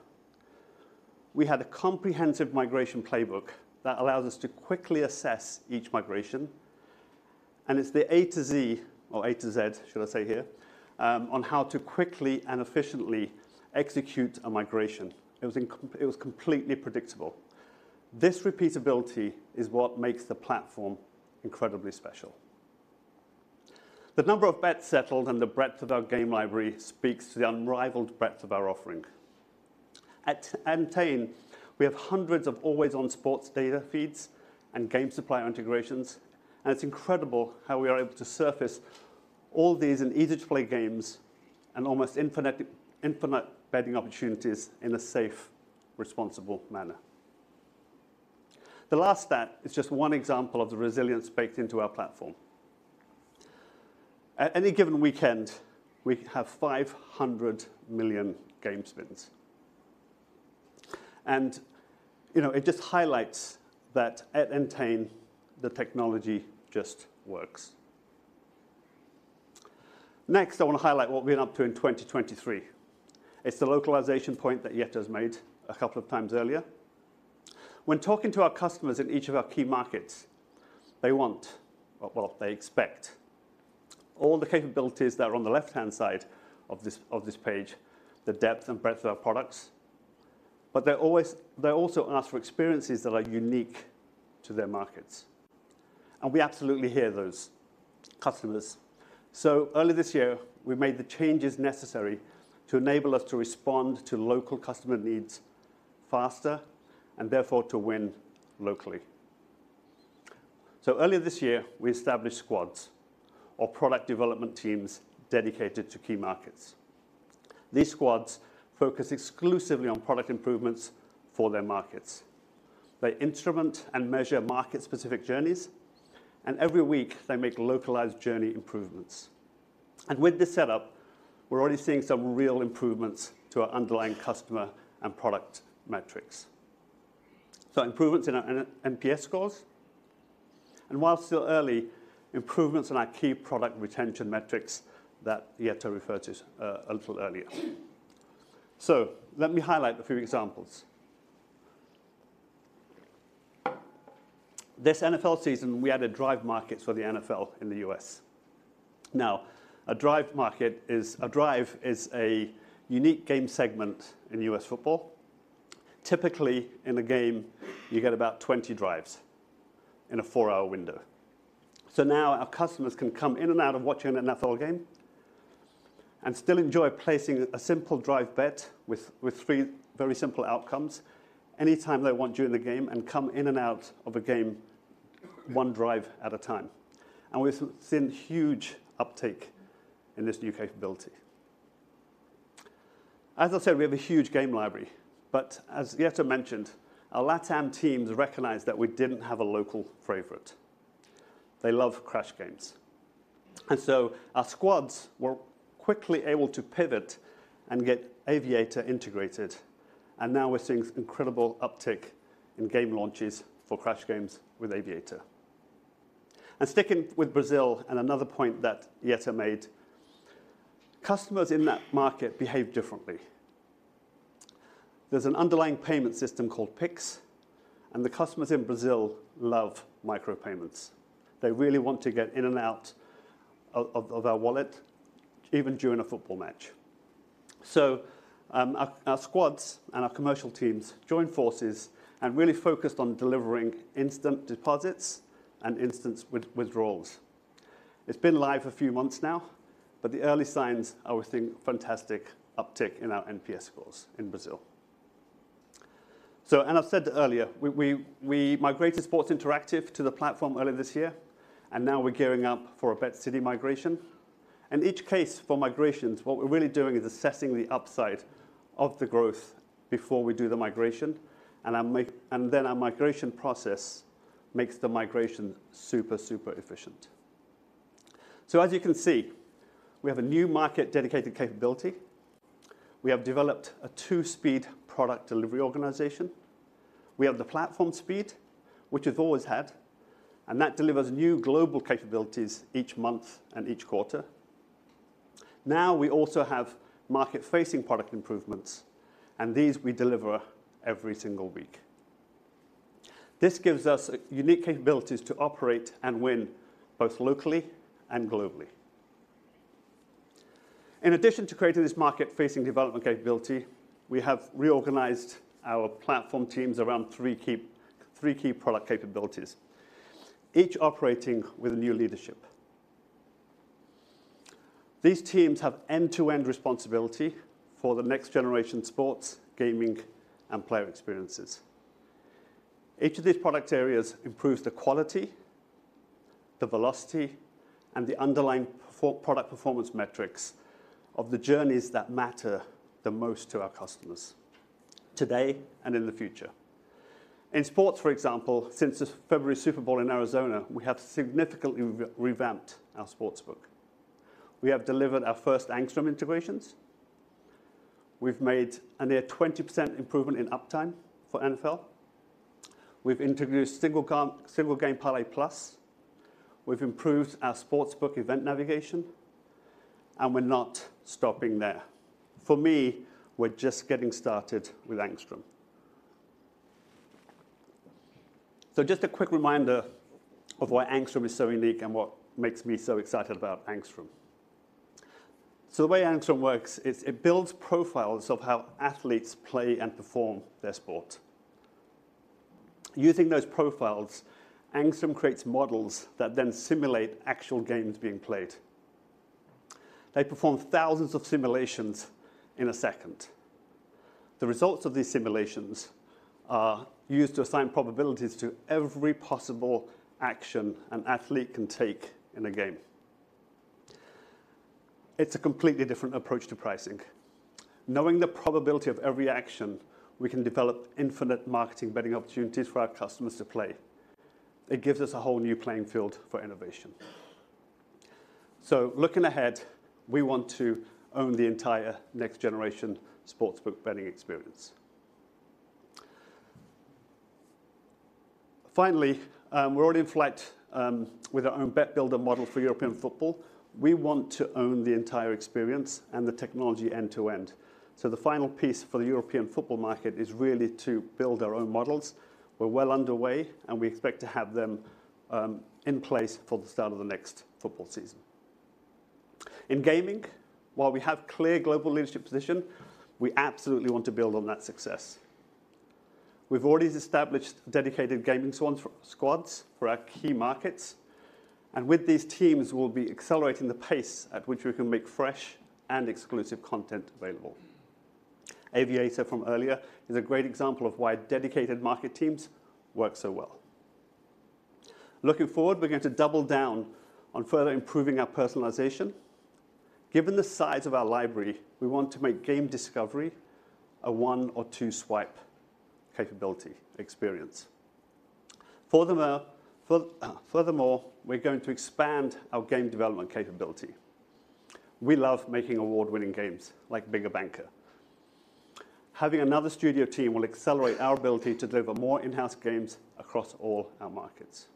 We had a comprehensive migration playbook that allows us to quickly assess each migration. And it's the A to Z, or A to Z, should I say here, on how to quickly and efficiently execute a migration. It was completely predictable. This repeatability is what makes the platform incredibly special. The number of bets settled and the breadth of our game library speaks to the unrivaled breadth of our offering. At Entain, we have hundreds of always-on sports data feeds and game supplier integrations. And it's incredible how we are able to surface all these easy-to-play games and almost infinite betting opportunities in a safe, responsible manner. The last stat is just one example of the resilience baked into our platform. At any given weekend, we have 500 million game spins. And it just highlights that at Entain, the technology just works. Next, I want to highlight what we've been up to in 2023. It's the localization point that Jette has made a couple of times earlier. When talking to our customers in each of our key markets, they want, well, they expect, all the capabilities that are on the left-hand side of this page, the depth and breadth of our products. But they also ask for experiences that are unique to their markets. We absolutely hear those customers. So earlier this year, we made the changes necessary to enable us to respond to local customer needs faster and therefore to win locally. So earlier this year, we established Squads, or product development teams, dedicated to key markets. These Squads focus exclusively on product improvements for their markets. They instrument and measure market-specific journeys. Every week, they make localized journey improvements. With this setup, we're already seeing some real improvements to our underlying customer and product metrics. Improvements in our NPS scores. While still early, improvements in our key product retention metrics that Yetta referred to a little earlier. Let me highlight a few examples. This NFL season, we added drive markets for the NFL in the U.S. Now, a drive market is a unique game segment in U.S. football. Typically, in a game, you get about 20 drives in a four-hour window. Now, our customers can come in and out of watching an NFL game and still enjoy placing a simple drive bet with three very simple outcomes anytime they want during the game and come in and out of a game one drive at a time. We've seen huge uptake in this new capability. As I said, we have a huge game library. But as Jette mentioned, our LATAM teams recognized that we didn't have a local favorite. They love crash games. So our squads were quickly able to pivot and get Aviator integrated. Now, we're seeing incredible uptake in game launches for crash games with Aviator. Sticking with Brazil and another point that Jette made, customers in that market behave differently. There's an underlying payment system called Pix. The customers in Brazil love micropayments. They really want to get in and out of our wallet, even during a football match. So our squads and our commercial teams joined forces and really focused on delivering instant deposits and instant withdrawals. It's been live a few months now. But the early signs are we're seeing fantastic uptake in our NPS scores in Brazil. I've said earlier, we migrated Sports Interaction to the platform earlier this year. And now, we're gearing up for a BetCity migration. In each case for migrations, what we're really doing is assessing the upside of the growth before we do the migration. And then our migration process makes the migration super, super efficient. So as you can see, we have a new market-dedicated capability. We have developed a two-speed product delivery organization. We have the platform speed, which we've always had. And that delivers new global capabilities each month and each quarter. Now, we also have market-facing product improvements. And these we deliver every single week. This gives us unique capabilities to operate and win both locally and globally. In addition to creating this market-facing development capability, we have reorganized our platform teams around three key product capabilities, each operating with a new leadership. These teams have end-to-end responsibility for the next generation sports, gaming, and player experiences. Each of these product areas improves the quality, the velocity, and the underlying product performance metrics of the journeys that matter the most to our customers today and in the future. In sports, for example, since the February Super Bowl in Arizona, we have significantly revamped our sportsbook. We have delivered our first Angstrom integrations. We've made a near 20% improvement in uptime for NFL. We've introduced Same Game Parlay Plus. We've improved our sportsbook event navigation. And we're not stopping there. For me, we're just getting started with Angstrom. So just a quick reminder of why Angstrom is so unique and what makes me so excited about Angstrom. So the way Angstrom works is it builds profiles of how athletes play and perform their sport. Using those profiles, Angstrom creates models that then simulate actual games being played. They perform thousands of simulations in a second. The results of these simulations are used to assign probabilities to every possible action an athlete can take in a game. It's a completely different approach to pricing. Knowing the probability of every action, we can develop infinite marketing betting opportunities for our customers to play. It gives us a whole new playing field for innovation. So looking ahead, we want to own the entire next-generation sportsbook betting experience. Finally, we're already in flight with our own bet builder model for European football. We want to own the entire experience and the technology end-to-end. So the final piece for the European football market is really to build our own models. We're well underway. And we expect to have them in place for the start of the next football season. In gaming, while we have a clear global leadership position, we absolutely want to build on that success. We've already established dedicated gaming squads for our key markets. With these teams, we'll be accelerating the pace at which we can make fresh and exclusive content available. Aviator, from earlier, is a great example of why dedicated market teams work so well. Looking forward, we're going to double down on further improving our personalization. Given the size of our library, we want to make game discovery a one- or two-swipe capability experience. Furthermore, we're going to expand our game development capability. We love making award-winning games like Bigger Banker. Having another studio team will accelerate our ability to deliver more in-house games across all our markets.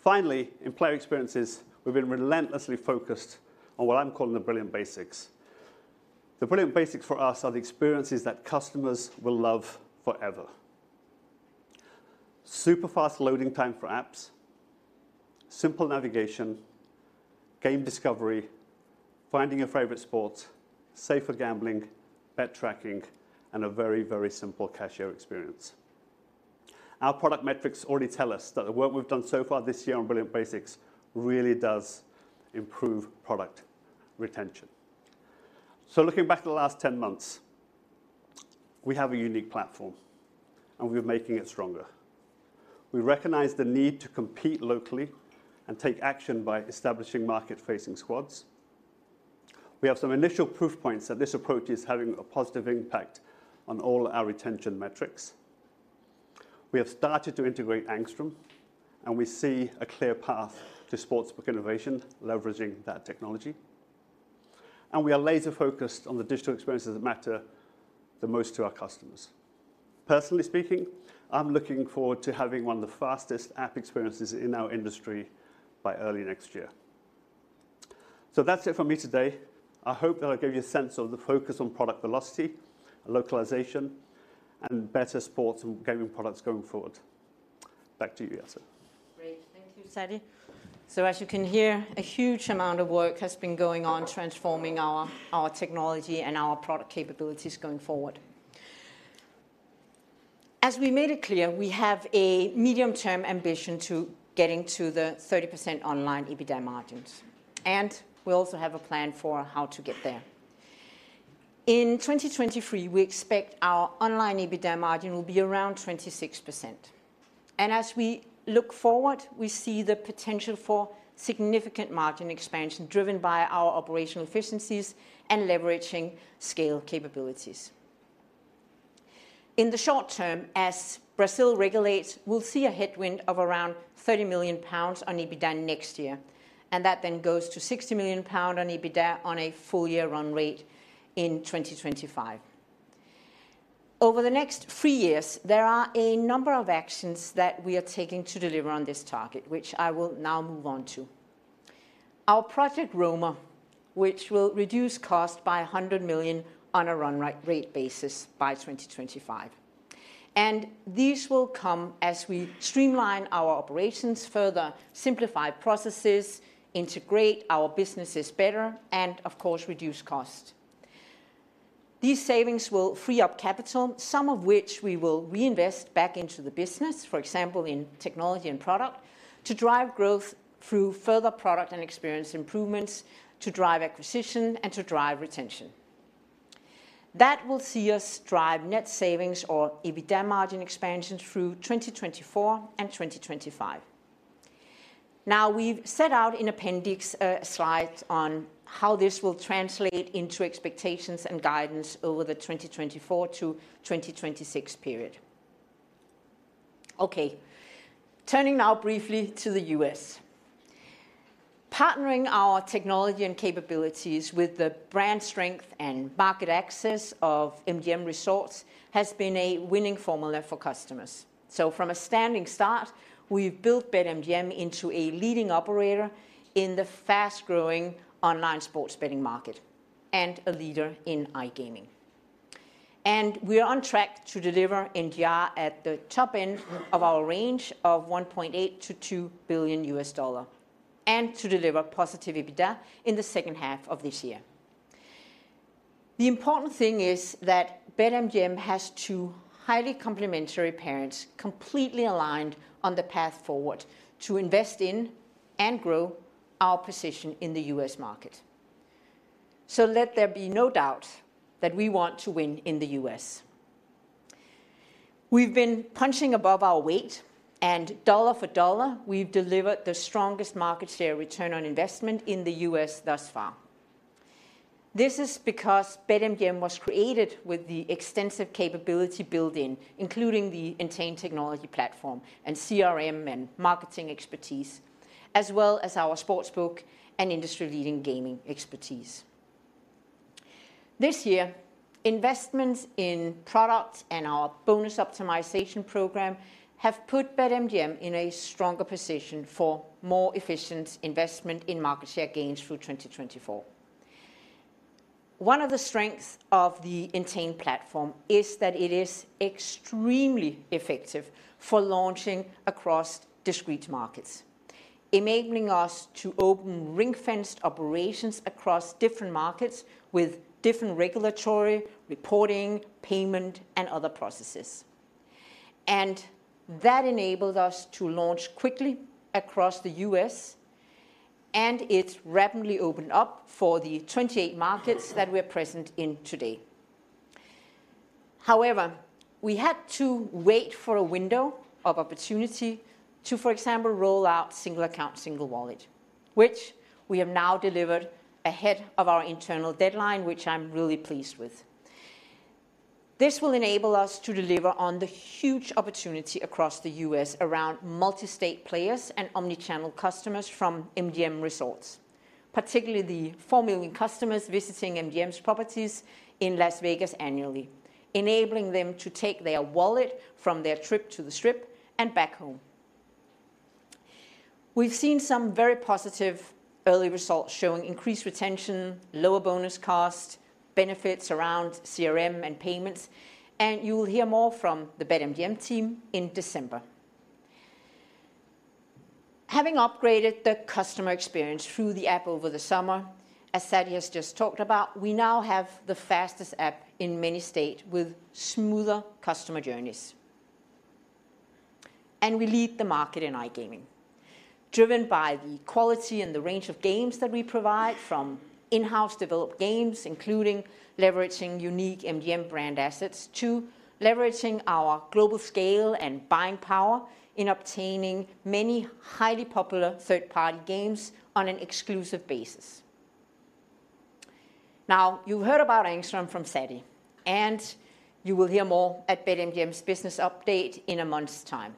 Finally, in player experiences, we've been relentlessly focused on what I'm calling the brilliant basics. The brilliant basics for us are the experiences that customers will love forever: super-fast loading time for apps, simple navigation, game discovery, finding your favorite sports, safer gambling, bet tracking, and a very, very simple cashier experience. Our product metrics already tell us that the work we've done so far this year on brilliant basics really does improve product retention. So looking back at the last 10 months, we have a unique platform. And we're making it stronger. We recognize the need to compete locally and take action by establishing market-facing squads. We have some initial proof points that this approach is having a positive impact on all our retention metrics. We have started to integrate Angstrom. And we see a clear path to sportsbook innovation, leveraging that technology. And we are laser-focused on the digital experiences that matter the most to our customers. Personally speaking, I'm looking forward to having one of the fastest app experiences in our industry by early next year. So that's it for me today. I hope that I gave you a sense of the focus on product velocity, localization, and better sports and gaming products going forward. Back to you, Jette. Great. Thank you, Satty. So as you can hear, a huge amount of work has been going on transforming our technology and our product capabilities going forward. As we made it clear, we have a medium-term ambition to get into the 30% online EBITDA margins. And we also have a plan for how to get there. In 2023, we expect our online EBITDA margin will be around 26%. And as we look forward, we see the potential for significant margin expansion driven by our operational efficiencies and leveraging scale capabilities. In the short term, as Brazil regulates, we'll see a headwind of around 30 million pounds on EBITDA next year. That then goes to 60 million pound on EBITDA on a full-year run rate in 2025. Over the next three years, there are a number of actions that we are taking to deliver on this target, which I will now move on to. Our project Roamer, which will reduce cost by 100 million on a run rate basis by 2025. These will come as we streamline our operations, further simplify processes, integrate our businesses better, and, of course, reduce cost. These savings will free up capital, some of which we will reinvest back into the business, for example, in technology and product, to drive growth through further product and experience improvements, to drive acquisition, and to drive retention. That will see us drive net savings, or EBITDA margin expansions, through 2024 and 2025. Now, we've set out in appendix a slide on how this will translate into expectations and guidance over the 2024 to 2026 period. Okay, turning now briefly to the US. Partnering our technology and capabilities with the brand strength and market access of MGM Resorts has been a winning formula for customers. So from a standing start, we've built BetMGM into a leading operator in the fast-growing online sports betting market and a leader in iGaming. And we are on track to deliver NGR at the top end of our range of $1.8 billion-$2 billion and to deliver positive EBITDA in the second half of this year. The important thing is that BetMGM has two highly complementary parents completely aligned on the path forward to invest in and grow our position in the U.S. market. So let there be no doubt that we want to win in the U.S. We've been punching above our weight. Dollar for dollar, we've delivered the strongest market share return on investment in the U.S. thus far. This is because BetMGM was created with the extensive capability built in, including the Entain Technology platform and CRM and marketing expertise, as well as our sportsbook and industry-leading gaming expertise. This year, investments in product and our bonus optimization program have put BetMGM in a stronger position for more efficient investment in market share gains through 2024. One of the strengths of the Entain platform is that it is extremely effective for launching across discrete markets, enabling us to open ring-fenced operations across different markets with different regulatory, reporting, payment, and other processes. That enabled us to launch quickly across the U.S. It rapidly opened up for the 28 markets that we are present in today. However, we had to wait for a window of opportunity to, for example, roll out Single Account, Single Wallet, which we have now delivered ahead of our internal deadline, which I'm really pleased with. This will enable us to deliver on the huge opportunity across the U.S. around multi-state players and omnichannel customers from MGM Resorts, particularly the 4 million customers visiting MGM's properties in Las Vegas annually, enabling them to take their wallet from their trip to the Strip and back home. We've seen some very positive early results showing increased retention, lower bonus cost, benefits around CRM and payments. You will hear more from the BetMGM team in December. Having upgraded the customer experience through the app over the summer, as Satty has just talked about, we now have the fastest app in many states with smoother customer journeys. We lead the market in iGaming, driven by the quality and the range of games that we provide from in-house developed games, including leveraging unique MGM brand assets, to leveraging our global scale and buying power in obtaining many highly popular third-party games on an exclusive basis. Now, you've heard about Angstrom from Satty. You will hear more at BetMGM's business update in a month's time.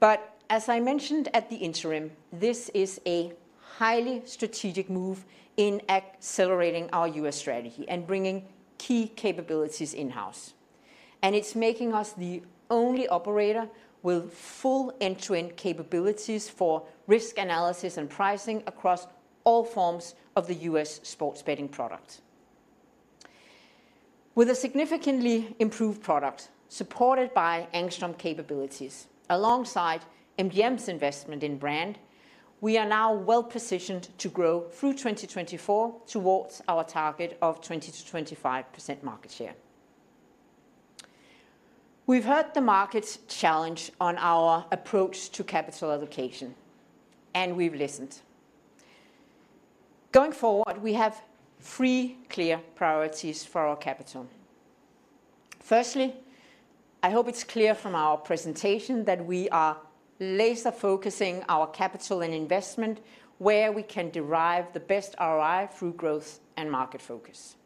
But as I mentioned at the interim, this is a highly strategic move in accelerating our US strategy and bringing key capabilities in-house. It's making us the only operator with full end-to-end capabilities for risk analysis and pricing across all forms of the U.S. sports betting product. With a significantly improved product supported by Angstrom capabilities, alongside BetMGM's investment in brand, we are now well positioned to grow through 2024 towards our target of 20%-25% market share. We've heard the markets challenge on our approach to capital allocation. We've listened. Going forward, we have three clear priorities for our capital. Firstly, I hope it's clear from our presentation that we are laser-focusing our capital and investment where we can derive the best ROI through growth and market focus.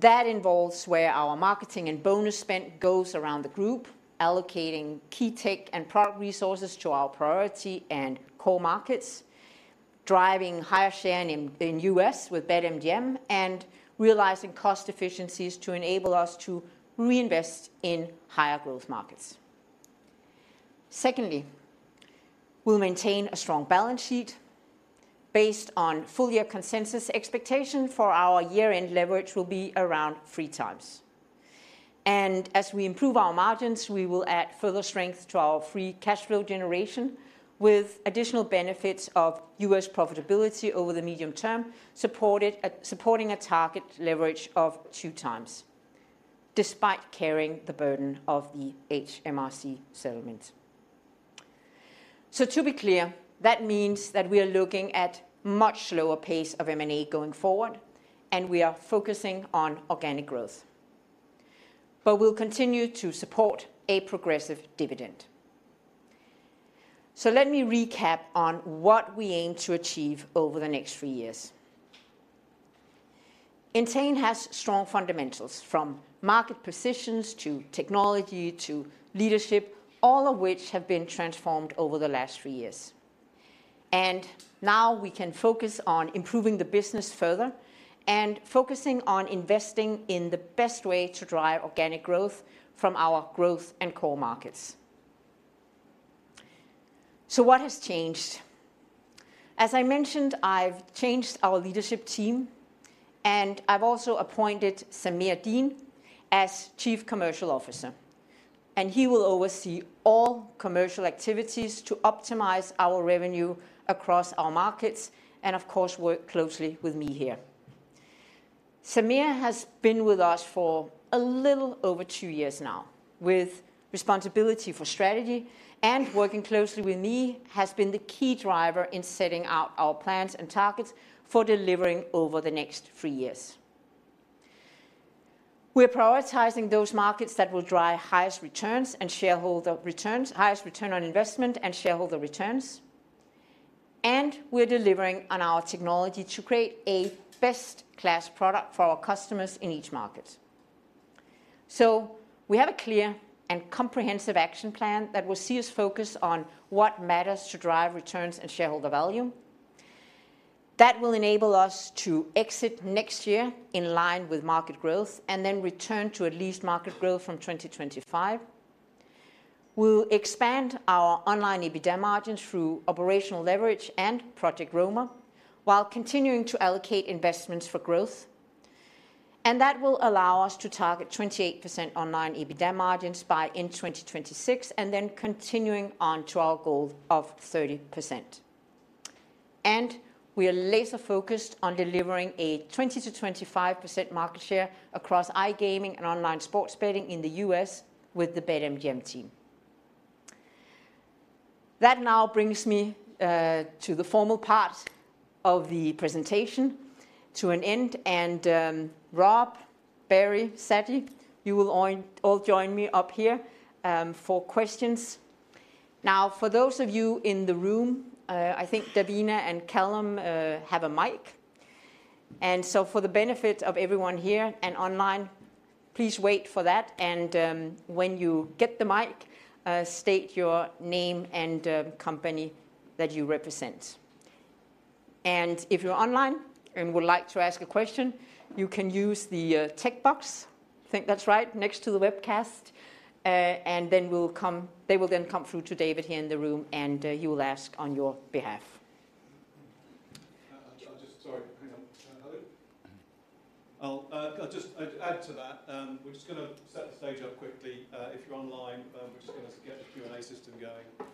That involves where our marketing and bonus spend goes around the group, allocating key tech and product resources to our priority and core markets, driving higher share in the U.S. with BetMGM, and realizing cost efficiencies to enable us to reinvest in higher growth markets. Secondly, we'll maintain a strong balance sheet. Based on full-year consensus expectations for our year-end leverage will be around three times. And as we improve our margins, we will add further strength to our free cash flow generation with additional benefits of U.S. profitability over the medium term, supporting a target leverage of two times, despite carrying the burden of the HMRC settlement. So to be clear, that means that we are looking at a much slower pace of M&A going forward. We are focusing on organic growth. We'll continue to support a progressive dividend. So let me recap on what we aim to achieve over the next three years. Entain has strong fundamentals, from market positions to technology to leadership, all of which have been transformed over the last three years. Now we can focus on improving the business further and focusing on investing in the best way to drive organic growth from our growth and core markets. What has changed? As I mentioned, I've changed our leadership team. I've also appointed Sameer Deen as Chief Commercial Officer. He will oversee all commercial activities to optimize our revenue across our markets and, of course, work closely with me here. Sameer has been with us for a little over two years now, with responsibility for strategy. Working closely with me has been the key driver in setting out our plans and targets for delivering over the next three years. We're prioritizing those markets that will drive highest returns and shareholder returns, highest return on investment and shareholder returns. We're delivering on our technology to create a best-class product for our customers in each market. We have a clear and comprehensive action plan that will see us focus on what matters to drive returns and shareholder value. That will enable us to exceed next year in line with market growth and then return to at least market growth from 2025. We'll expand our online EBITDA margins through operational leverage and Project Roamer while continuing to allocate investments for growth. That will allow us to target 28% online EBITDA margins by end 2026 and then continuing on to our goal of 30%. We are laser-focused on delivering a 20%-25% market share across iGaming and online sports betting in the U.S. with the BetMGM team. That now brings me to the formal part of the presentation to an end. Rob, Barry, Satty, you will all join me up here for questions. Now, for those of you in the room, I think Davina and Callum have a mic. So for the benefit of everyone here and online, please wait for that. And when you get the mic, state your name and company that you represent. And if you're online and would like to ask a question, you can use the text box, I think that's right, next to the webcast. And then they will then come through to David here in the room and he will ask on your behalf. I'll just, sorry, hang on. Hello? I'll just add to that. We're just going to set the stage up quickly. If you're online, we're just going to get the Q&A system going.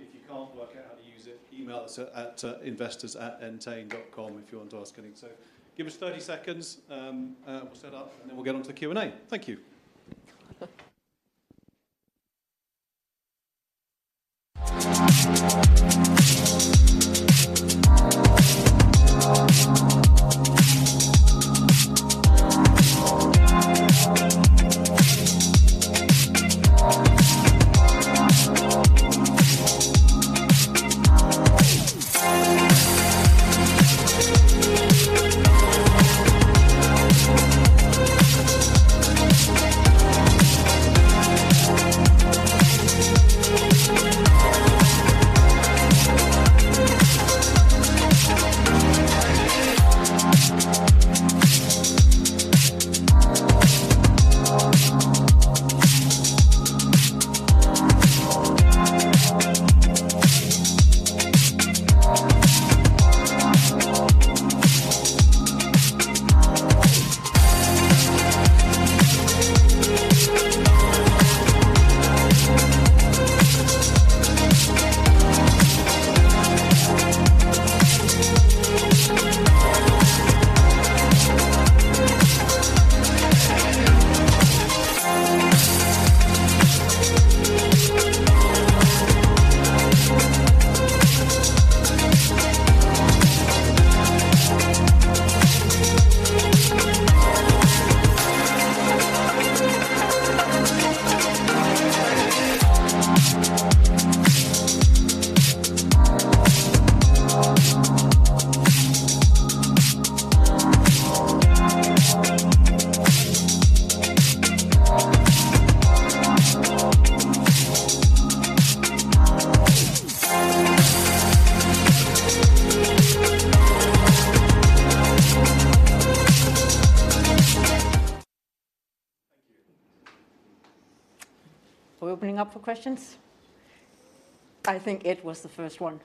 If you can't work out how to use it, email us at investors@entain.com if you want to ask anything. So give us 30 seconds. We'll set up and then we'll get on to the Q&A. Thank you. Thank you. Are we opening up for questions? I think Ed was the first one.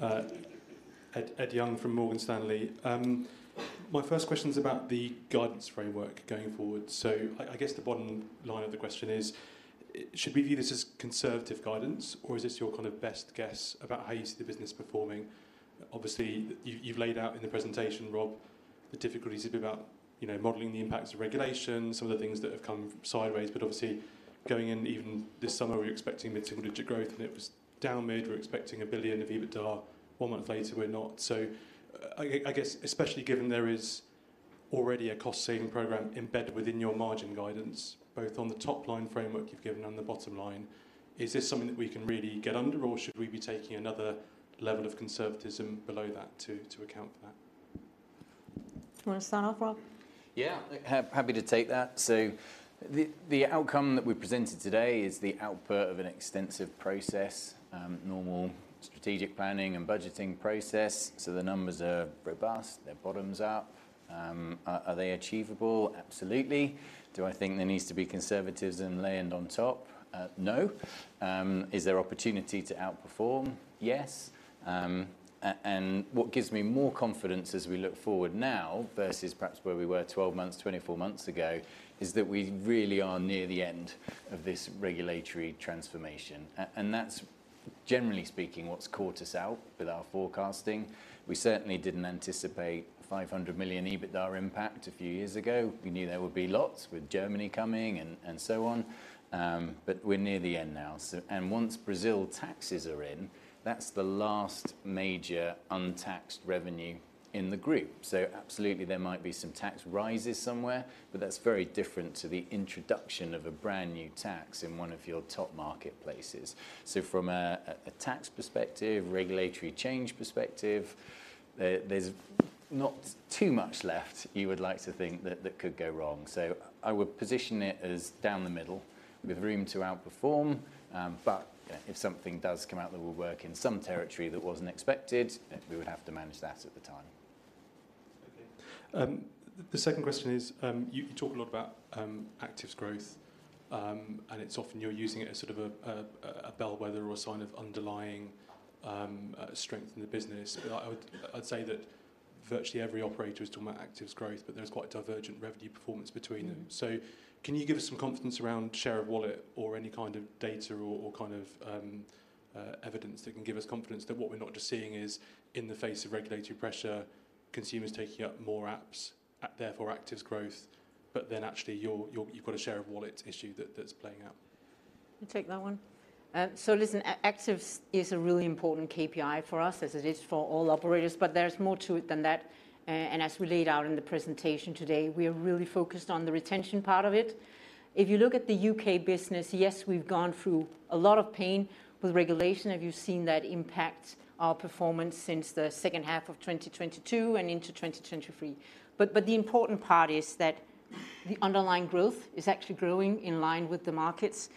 Ed Young from Morgan Stanley. My first question is about the guidance framework going forward. So I guess the bottom line of the question is, should we view this as conservative guidance? Or is this your kind of best guess about how you see the business performing? Obviously, you've laid out in the presentation, Rob, the difficulties a bit about modeling the impacts of regulation, some of the things that have come sideways. But obviously, going in even this summer, we were expecting mid-single digit growth. And it was down mid. We were expecting £1 billion of EBITDA. One month later, we're not. So I guess, especially given there is already a cost-saving program embedded within your margin guidance, both on the top line framework you've given and the bottom line, is this something that we can really get under? Or should we be taking another level of conservatism below that to account for that? Do you want to start off, Rob? Yeah, happy to take that. So the outcome that we presented today is the output of an extensive process, normal strategic planning and budgeting process. So the numbers are robust. They're bottoms up. Are they achievable? Absolutely. Do I think there needs to be conservatism laying on top? No. Is there opportunity to outperform? Yes. And what gives me more confidence as we look forward now versus perhaps where we were 12 months, 24 months ago, is that we really are near the end of this regulatory transformation. And that's, generally speaking, what's caught us out with our forecasting. We certainly didn't anticipate 500 million EBITDA impact a few years ago. We knew there would be lots with Germany coming and so on. But we're near the end now. And once Brazil taxes are in, that's the last major untaxed revenue in the group. Absolutely, there might be some tax rises somewhere. But that's very different to the introduction of a brand new tax in one of your top marketplaces. From a tax perspective, regulatory change perspective, there's not too much left you would like to think that could go wrong. I would position it as down the middle, with room to outperform. If something does come out that will work in some territory that wasn't expected, we would have to manage that at the time. Okay. The second question is, you talk a lot about active growth. And it's often you're using it as sort of a bellwether or a sign of underlying strength in the business. I'd say that virtually every operator is talking about active growth. But there's quite divergent revenue performance between them. So can you give us some confidence around share of wallet or any kind of data or kind of evidence that can give us confidence that what we're not just seeing is, in the face of regulatory pressure, consumers taking up more apps, therefore active growth, but then actually you've got a share of wallet issue that's playing out? I'll take that one. So listen, active is a really important KPI for us, as it is for all operators. But there's more to it than that. And as we laid out in the presentation today, we are really focused on the retention part of it. If you look at the U.K. business, yes, we've gone through a lot of pain with regulation. Have you seen that impact our performance since the second half of 2022 and into 2023? But the important part is that the underlying growth is actually growing in line with the markets.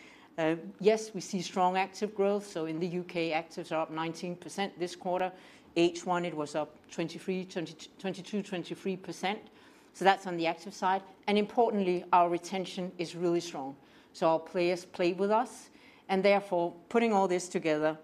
Yes, we see strong active growth. So in the U.K., actives are up 19% this quarter. H1, it was up 22%, 23%. So that's on the active side. And importantly, our retention is really strong. So our players play with us. Therefore, putting all this together,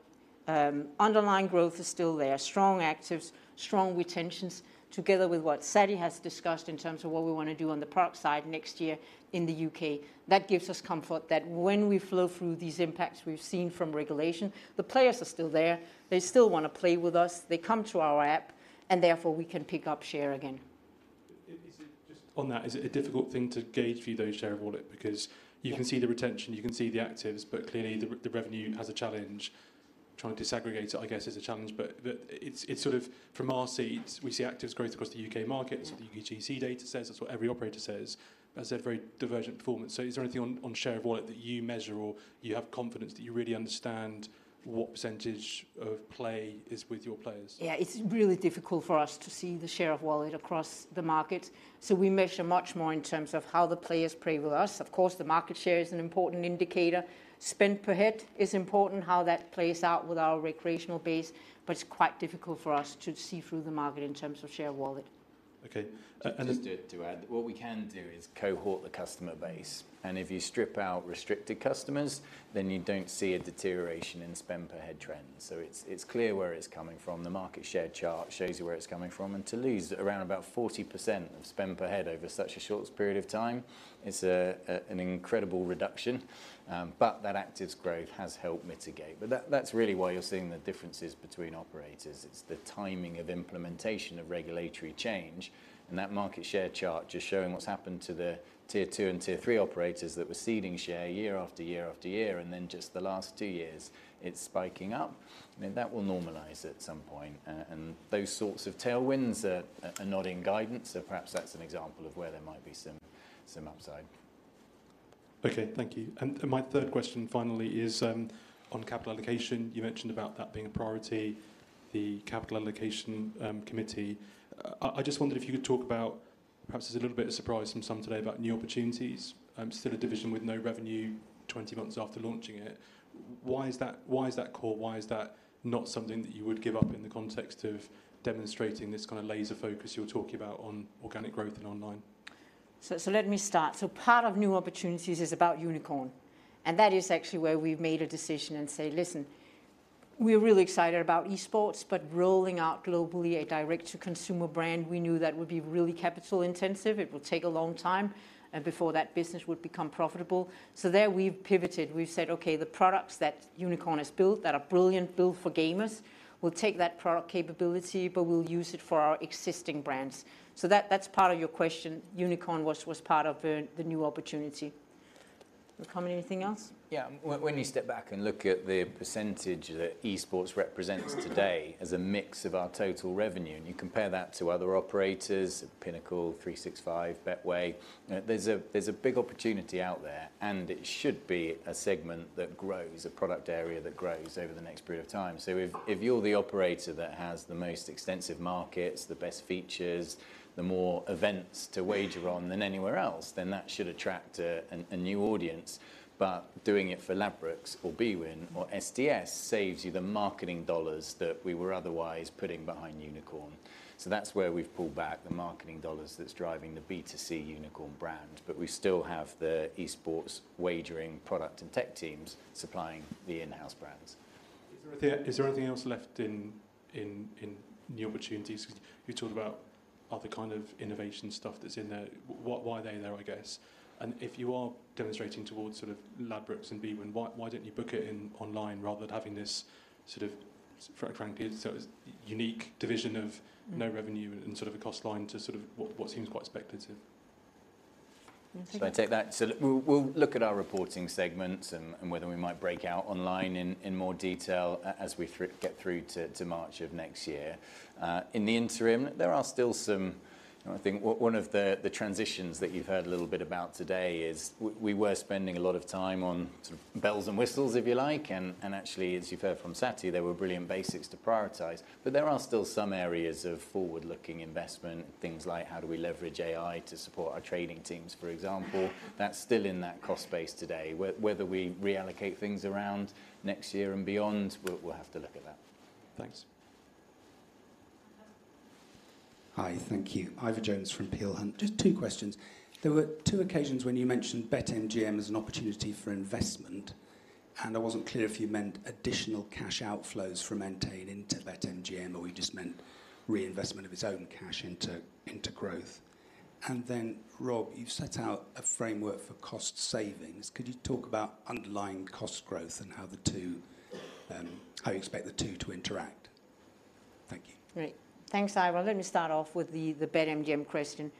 underlying growth is still there, strong actives, strong retentions, together with what Satty has discussed in terms of what we want to do on the product side next year in the UK. That gives us comfort that when we flow through these impacts we've seen from regulation, the players are still there. They still want to play with us. They come to our app. Therefore, we can pick up share again. On that, is it a difficult thing to gauge for you those share of wallet? Because you can see the retention. You can see the actives. But clearly, the revenue has a challenge. Trying to disaggregate it, I guess, is a challenge. But it's sort of from our seats, we see active growth across the UK market. That's what the UKGC data says. That's what every operator says. That's a very divergent performance. So is there anything on share of wallet that you measure or you have confidence that you really understand what percentage of play is with your players? Yeah, it's really difficult for us to see the share of wallet across the market. So we measure much more in terms of how the players play with us. Of course, the market share is an important indicator. Spend per head is important, how that plays out with our recreational base. But it's quite difficult for us to see through the market in terms of share of wallet. Okay, and. Just to add, what we can do is cohort the customer base. If you strip out restricted customers, then you don't see a deterioration in spend per head trend. So it's clear where it's coming from. The market share chart shows you where it's coming from. To lose around about 40% of spend per head over such a short period of time, it's an incredible reduction. But that active growth has helped mitigate. But that's really why you're seeing the differences between operators. It's the timing of implementation of regulatory change. That market share chart just showing what's happened to the Tier 2 and Tier 3 operators that were ceding share year after year after year. Then just the last two years, it's spiking up. That will normalize at some point. Those sorts of tailwinds are not in guidance. Perhaps that's an example of where there might be some upside. Okay, thank you. And my third question, finally, is on capital allocation. You mentioned about that being a priority, the capital allocation committee. I just wondered if you could talk about perhaps there's a little bit of surprise from some today about new opportunities. Still a division with no revenue 20 months after launching it. Why is that core? Why is that not something that you would give up in the context of demonstrating this kind of laser focus you're talking about on organic growth and online? So let me start. So part of new opportunities is about Unikrn. And that is actually where we've made a decision and say, listen, we're really excited about e-sports. But rolling out globally a direct-to-consumer brand, we knew that would be really capital intensive. It will take a long time before that business would become profitable. So there, we've pivoted. We've said, OK, the products that Unikrn has built that are brilliant, built for gamers, we'll take that product capability. But we'll use it for our existing brands. So that's part of your question. Unikrn was part of the new opportunity. Will come in anything else? Yeah, when you step back and look at the percentage that e-sports represents today as a mix of our total revenue, and you compare that to other operators, Pinnacle, 365, Betway, there's a big opportunity out there. And it should be a segment that grows, a product area that grows over the next period of time. So if you're the operator that has the most extensive markets, the best features, the more events to wager on than anywhere else, then that should attract a new audience. But doing it for Ladbrokes or BWIN or STS saves you the marketing dollars that we were otherwise putting behind Unikrn. So that's where we've pulled back the marketing dollars that's driving the B2C Unikrn brand. But we still have the e-sports wagering product and tech teams supplying the in-house brands. Is there anything else left in new opportunities? You talked about other kind of innovation stuff that's in there. Why are they there, I guess? And if you are demonstrating towards sort of Ladbrokes and bwin, why don't you book it online rather than having this sort of, frankly, unique division of no revenue and sort of a cost line to sort of what seems quite speculative? So I take that. So we'll look at our reporting segments and whether we might break out online in more detail as we get through to March of next year. In the interim, there are still some, I think, one of the transitions that you've heard a little bit about today is we were spending a lot of time on sort of bells and whistles, if you like. And actually, as you've heard from Satty, there were brilliant basics to prioritize. But there are still some areas of forward-looking investment, things like how do we leverage AI to support our trading teams, for example. That's still in that cost base today. Whether we reallocate things around next year and beyond, we'll have to look at that. Thanks. Hi, thank you. Ivor Jones from Peel Hunt. Just two questions. There were two occasions when you mentioned BetMGM as an opportunity for investment. I wasn't clear if you meant additional cash outflows from Entain into BetMGM, or you just meant reinvestment of its own cash into growth. Then, Rob, you've set out a framework for cost savings. Could you talk about underlying cost growth and how you expect the two to interact? Thank you. Right. Thanks, Ivor. Let me start off with the BetMGM question.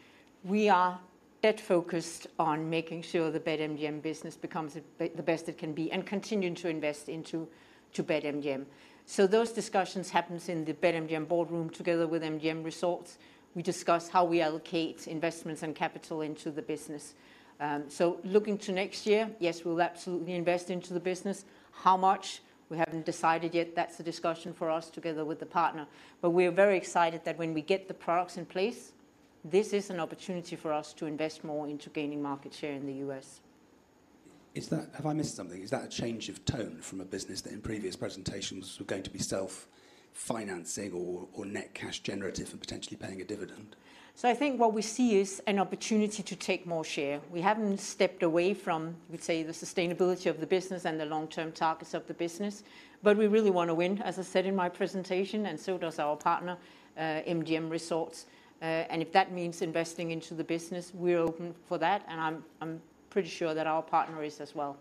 We are dead set on making sure the BetMGM business becomes the best it can be and continue to invest into BetMGM. So those discussions happen in the BetMGM boardroom together with MGM Resorts. We discuss how we allocate investments and capital into the business. So looking to next year, yes, we'll absolutely invest into the business. How much, we haven't decided yet. That's a discussion for us together with the partner. But we are very excited that when we get the products in place, this is an opportunity for us to invest more into gaining market share in the U.S. Have I missed something? Is that a change of tone from a business that in previous presentations was going to be self-financing or net cash generative and potentially paying a dividend? So I think what we see is an opportunity to take more share. We haven't stepped away from, you could say, the sustainability of the business and the long-term targets of the business. But we really want to win, as I said in my presentation. And so does our partner, MGM Resorts. And if that means investing into the business, we're open for that. And I'm pretty sure that our partner is as well.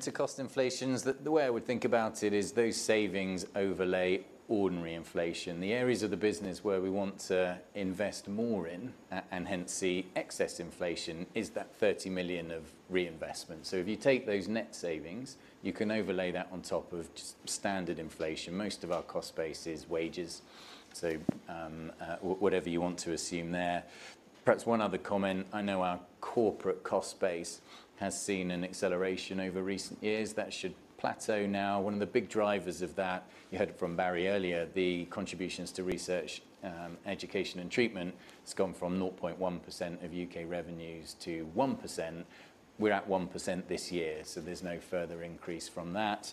To cost inflations, the way I would think about it is those savings overlay ordinary inflation. The areas of the business where we want to invest more in and hence see excess inflation is that £30 million of reinvestment. If you take those net savings, you can overlay that on top of standard inflation. Most of our cost base is wages. Whatever you want to assume there. Perhaps one other comment. I know our corporate cost base has seen an acceleration over recent years. That should plateau now. One of the big drivers of that, you heard from Barry earlier, the contributions to research, education, and treatment has gone from 0.1% of U.K. revenues to 1%. We're at 1% this year. There's no further increase from that.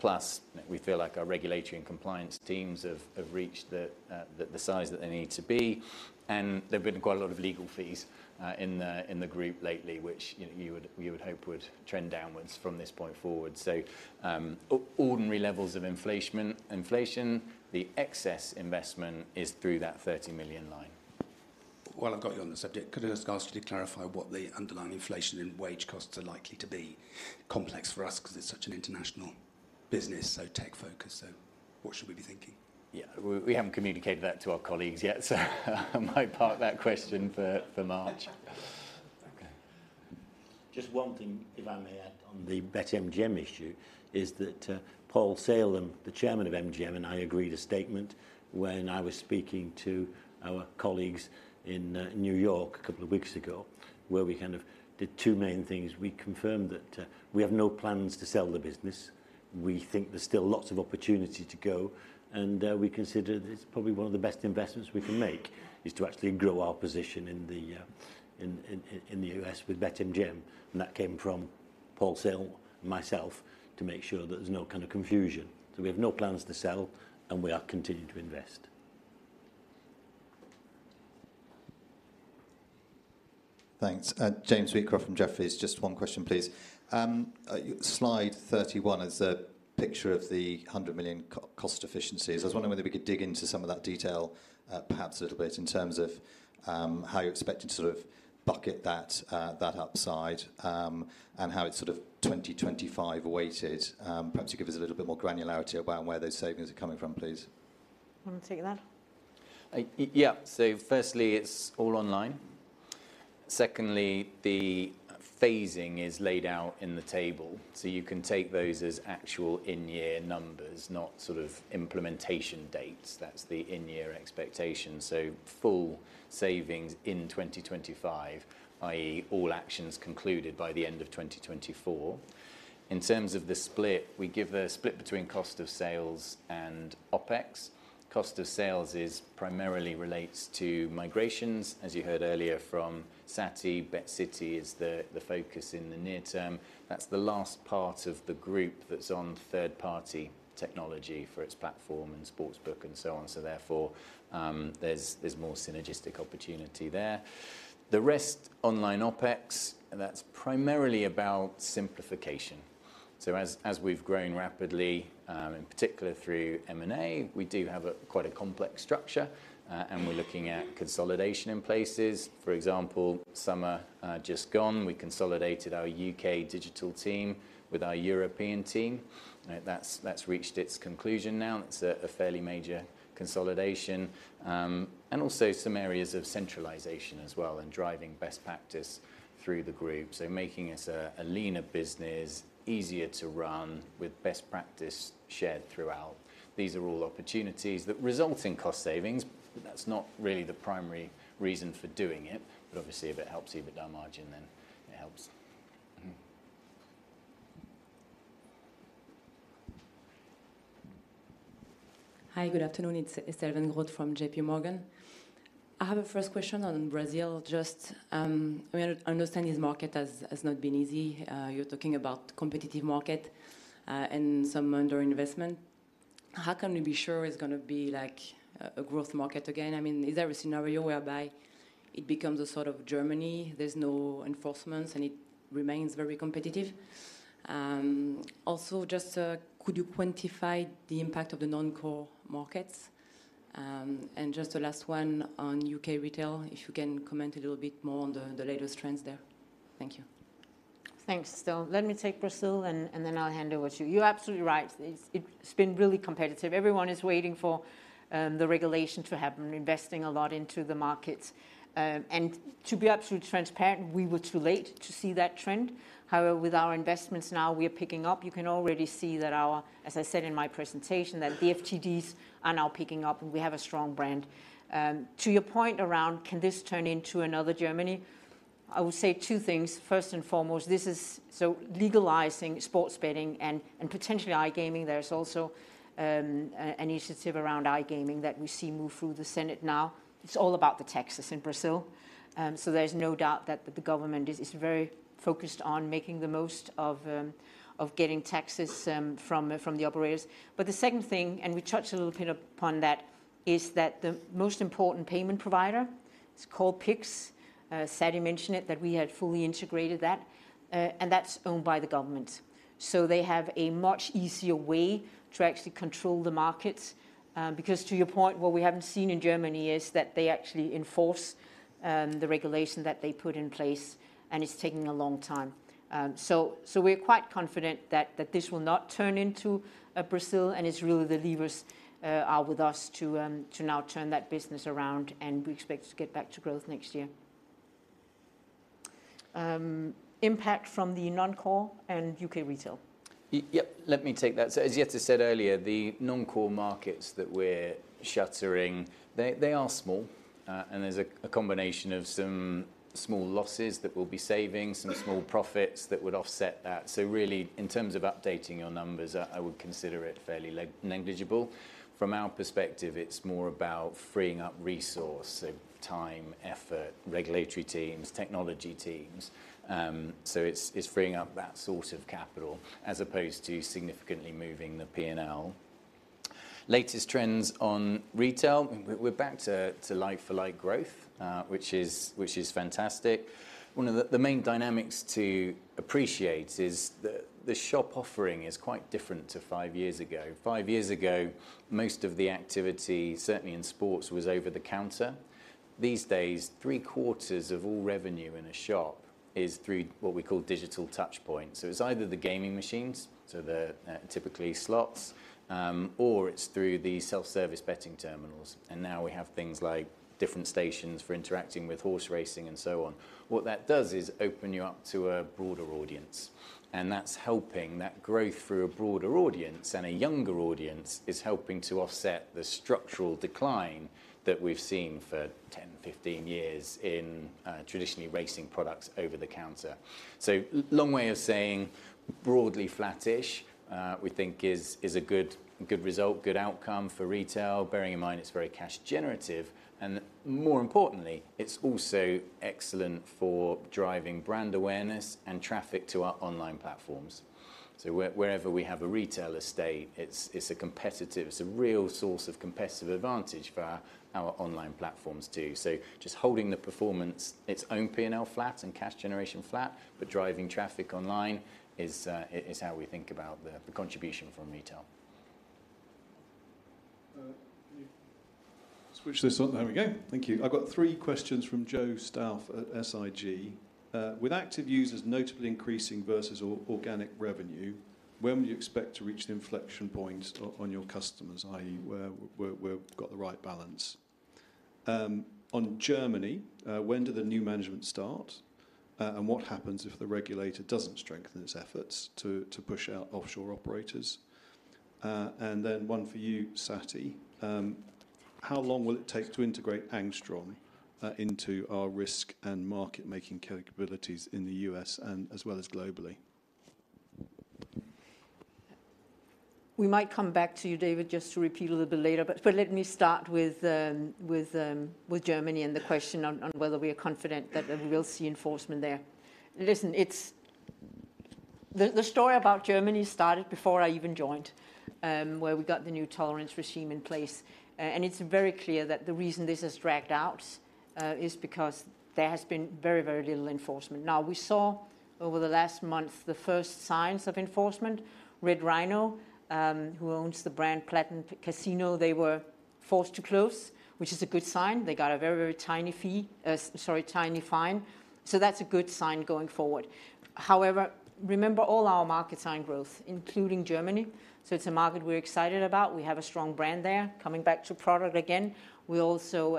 Plus, we feel like our regulatory and compliance teams have reached the size that they need to be. There have been quite a lot of legal fees in the group lately, which you would hope would trend downwards from this point forward. Ordinary levels of inflation, the excess investment is through that 30 million line. While I've got you on the subject, could I just ask you to clarify what the underlying inflation in wage costs are likely to be? Complex for us because it's such an international business, so tech-focused. So what should we be thinking? Yeah, we haven't communicated that to our colleagues yet. I might park that question for March. Just one thing, if I may add, on the BetMGM issue is that Paul Salem, the Chairman of MGM, and I agreed a statement when I was speaking to our colleagues in New York a couple of weeks ago where we kind of did two main things. We confirmed that we have no plans to sell the business. We think there's still lots of opportunity to go. And we consider that it's probably one of the best investments we can make is to actually grow our position in the U.S. with BetMGM. And that came from Paul Salem and myself to make sure that there's no kind of confusion. So we have no plans to sell. And we are continuing to invest. Thanks. James Wheatcroft from Jefferies. Just one question, please. Slide 31 is a picture of the 100 million cost efficiencies. I was wondering whether we could dig into some of that detail, perhaps a little bit, in terms of how you're expecting to sort of bucket that upside and how it's sort of 2025 weighted. Perhaps you give us a little bit more granularity about where those savings are coming from, please. I'll take that. Yeah, so firstly, it's all online. Secondly, the phasing is laid out in the table. So you can take those as actual in-year numbers, not sort of implementation dates. That's the in-year expectation. So full savings in 2025, i.e., all actions concluded by the end of 2024. In terms of the split, we give a split between cost of sales and OPEX. Cost of sales primarily relates to migrations, as you heard earlier from Satty. BetCity is the focus in the near term. That's the last part of the group that's on third-party technology for its platform and sportsbook and so on. So therefore, there's more synergistic opportunity there. The rest, online OPEX, that's primarily about simplification. So as we've grown rapidly, in particular through M&A, we do have quite a complex structure. And we're looking at consolidation in places. For example, summer just gone. We consolidated our UK digital team with our European team. That's reached its conclusion now. It's a fairly major consolidation. And also some areas of centralization as well, and driving best practice through the group, so making us a leaner business, easier to run with best practice shared throughout. These are all opportunities that result in cost savings. But that's not really the primary reason for doing it. But obviously, if it helps you to get a margin, then it helps. Hi, good afternoon. It's Estelle Weingrod from JPMorgan. I have a first question on Brazil just. I understand this market has not been easy. You're talking about competitive market and some underinvestment. How can we be sure it's going to be like a growth market again? I mean, is there a scenario whereby it becomes a sort of Germany? There's no enforcement. It remains very competitive. Also, just could you quantify the impact of the non-core markets? And just the last one on U.K. retail, if you can comment a little bit more on the latest trends there. Thank you. Thanks, Stell. Let me take Brazil. And then I'll hand it over to you. You're absolutely right. It's been really competitive. Everyone is waiting for the regulation to happen, investing a lot into the markets. And to be absolutely transparent, we were too late to see that trend. However, with our investments now, we are picking up. You can already see that our, as I said in my presentation, that the FTDs are now picking up. And we have a strong brand. To your point around can this turn into another Germany, I would say two things. First and foremost, this is so legalizing sports betting and potentially iGaming. There's also an initiative around iGaming that we see move through the Senate now. It's all about the taxes in Brazil. So there's no doubt that the government is very focused on making the most of getting taxes from the operators. But the second thing, and we touched a little bit upon that, is that the most important payment provider is called Pix. Satty mentioned it, that we had fully integrated that. And that's owned by the government. So they have a much easier way to actually control the markets. Because to your point, what we haven't seen in Germany is that they actually enforce the regulation that they put in place. And it's taking a long time. So we're quite confident that this will not turn into a Brazil. And it's really the levers are with us to now turn that business around. And we expect to get back to growth next year. Impact from the non-core and UK retail. Yep, let me take that. So as Jette said earlier, the non-core markets that we're shuttering, they are small. And there's a combination of some small losses that we'll be saving, some small profits that would offset that. So really, in terms of updating your numbers, I would consider it fairly negligible. From our perspective, it's more about freeing up resource, so time, effort, regulatory teams, technology teams. So it's freeing up that sort of capital as opposed to significantly moving the P&L. Latest trends on retail, we're back to like-for-like growth, which is fantastic. One of the main dynamics to appreciate is that the shop offering is quite different to five years ago. Five years ago, most of the activity, certainly in sports, was over the counter. These days, three-quarters of all revenue in a shop is through what we call digital touch points. So it's either the gaming machines, so they're typically slots, or it's through the self-service betting terminals. And now we have things like different stations for interacting with horse racing and so on. What that does is open you up to a broader audience. And that's helping that growth through a broader audience. And a younger audience is helping to offset the structural decline that we've seen for 10, 15 years in traditionally racing products over the counter. So long way of saying broadly flat-ish, we think, is a good result, good outcome for retail, bearing in mind it's very cash generative. And more importantly, it's also excellent for driving brand awareness and traffic to our online platforms. So wherever we have a retail estate, it's a competitive, it's a real source of competitive advantage for our online platforms too. So just holding the performance, its own P&L flat and cash generation flat, but driving traffic online is how we think about the contribution from retail. Can you switch this on? There we go. Thank you. I've got three questions from Joe Stauff at SIG. With active users notably increasing versus organic revenue, when will you expect to reach the inflection point on your customers, i.e., where we've got the right balance? On Germany, when do the new management start? And what happens if the regulator doesn't strengthen its efforts to push out offshore operators? And then one for you, Satty. How long will it take to integrate Angstrom into our risk and market-making capabilities in the U.S. as well as globally? We might come back to you, David, just to repeat a little bit later. But let me start with Germany and the question on whether we are confident that we will see enforcement there. Listen, the story about Germany started before I even joined, where we got the new tolerance regime in place. It's very clear that the reason this has dragged out is because there has been very, very little enforcement. Now, we saw over the last month the first signs of enforcement. Red Rhino, who owns the brand PlatinCasino, they were forced to close, which is a good sign. They got a very, very tiny fee, sorry, tiny fine. That's a good sign going forward. However, remember, all our markets are in growth, including Germany. It's a market we're excited about. We have a strong brand there, coming back to product again. We're also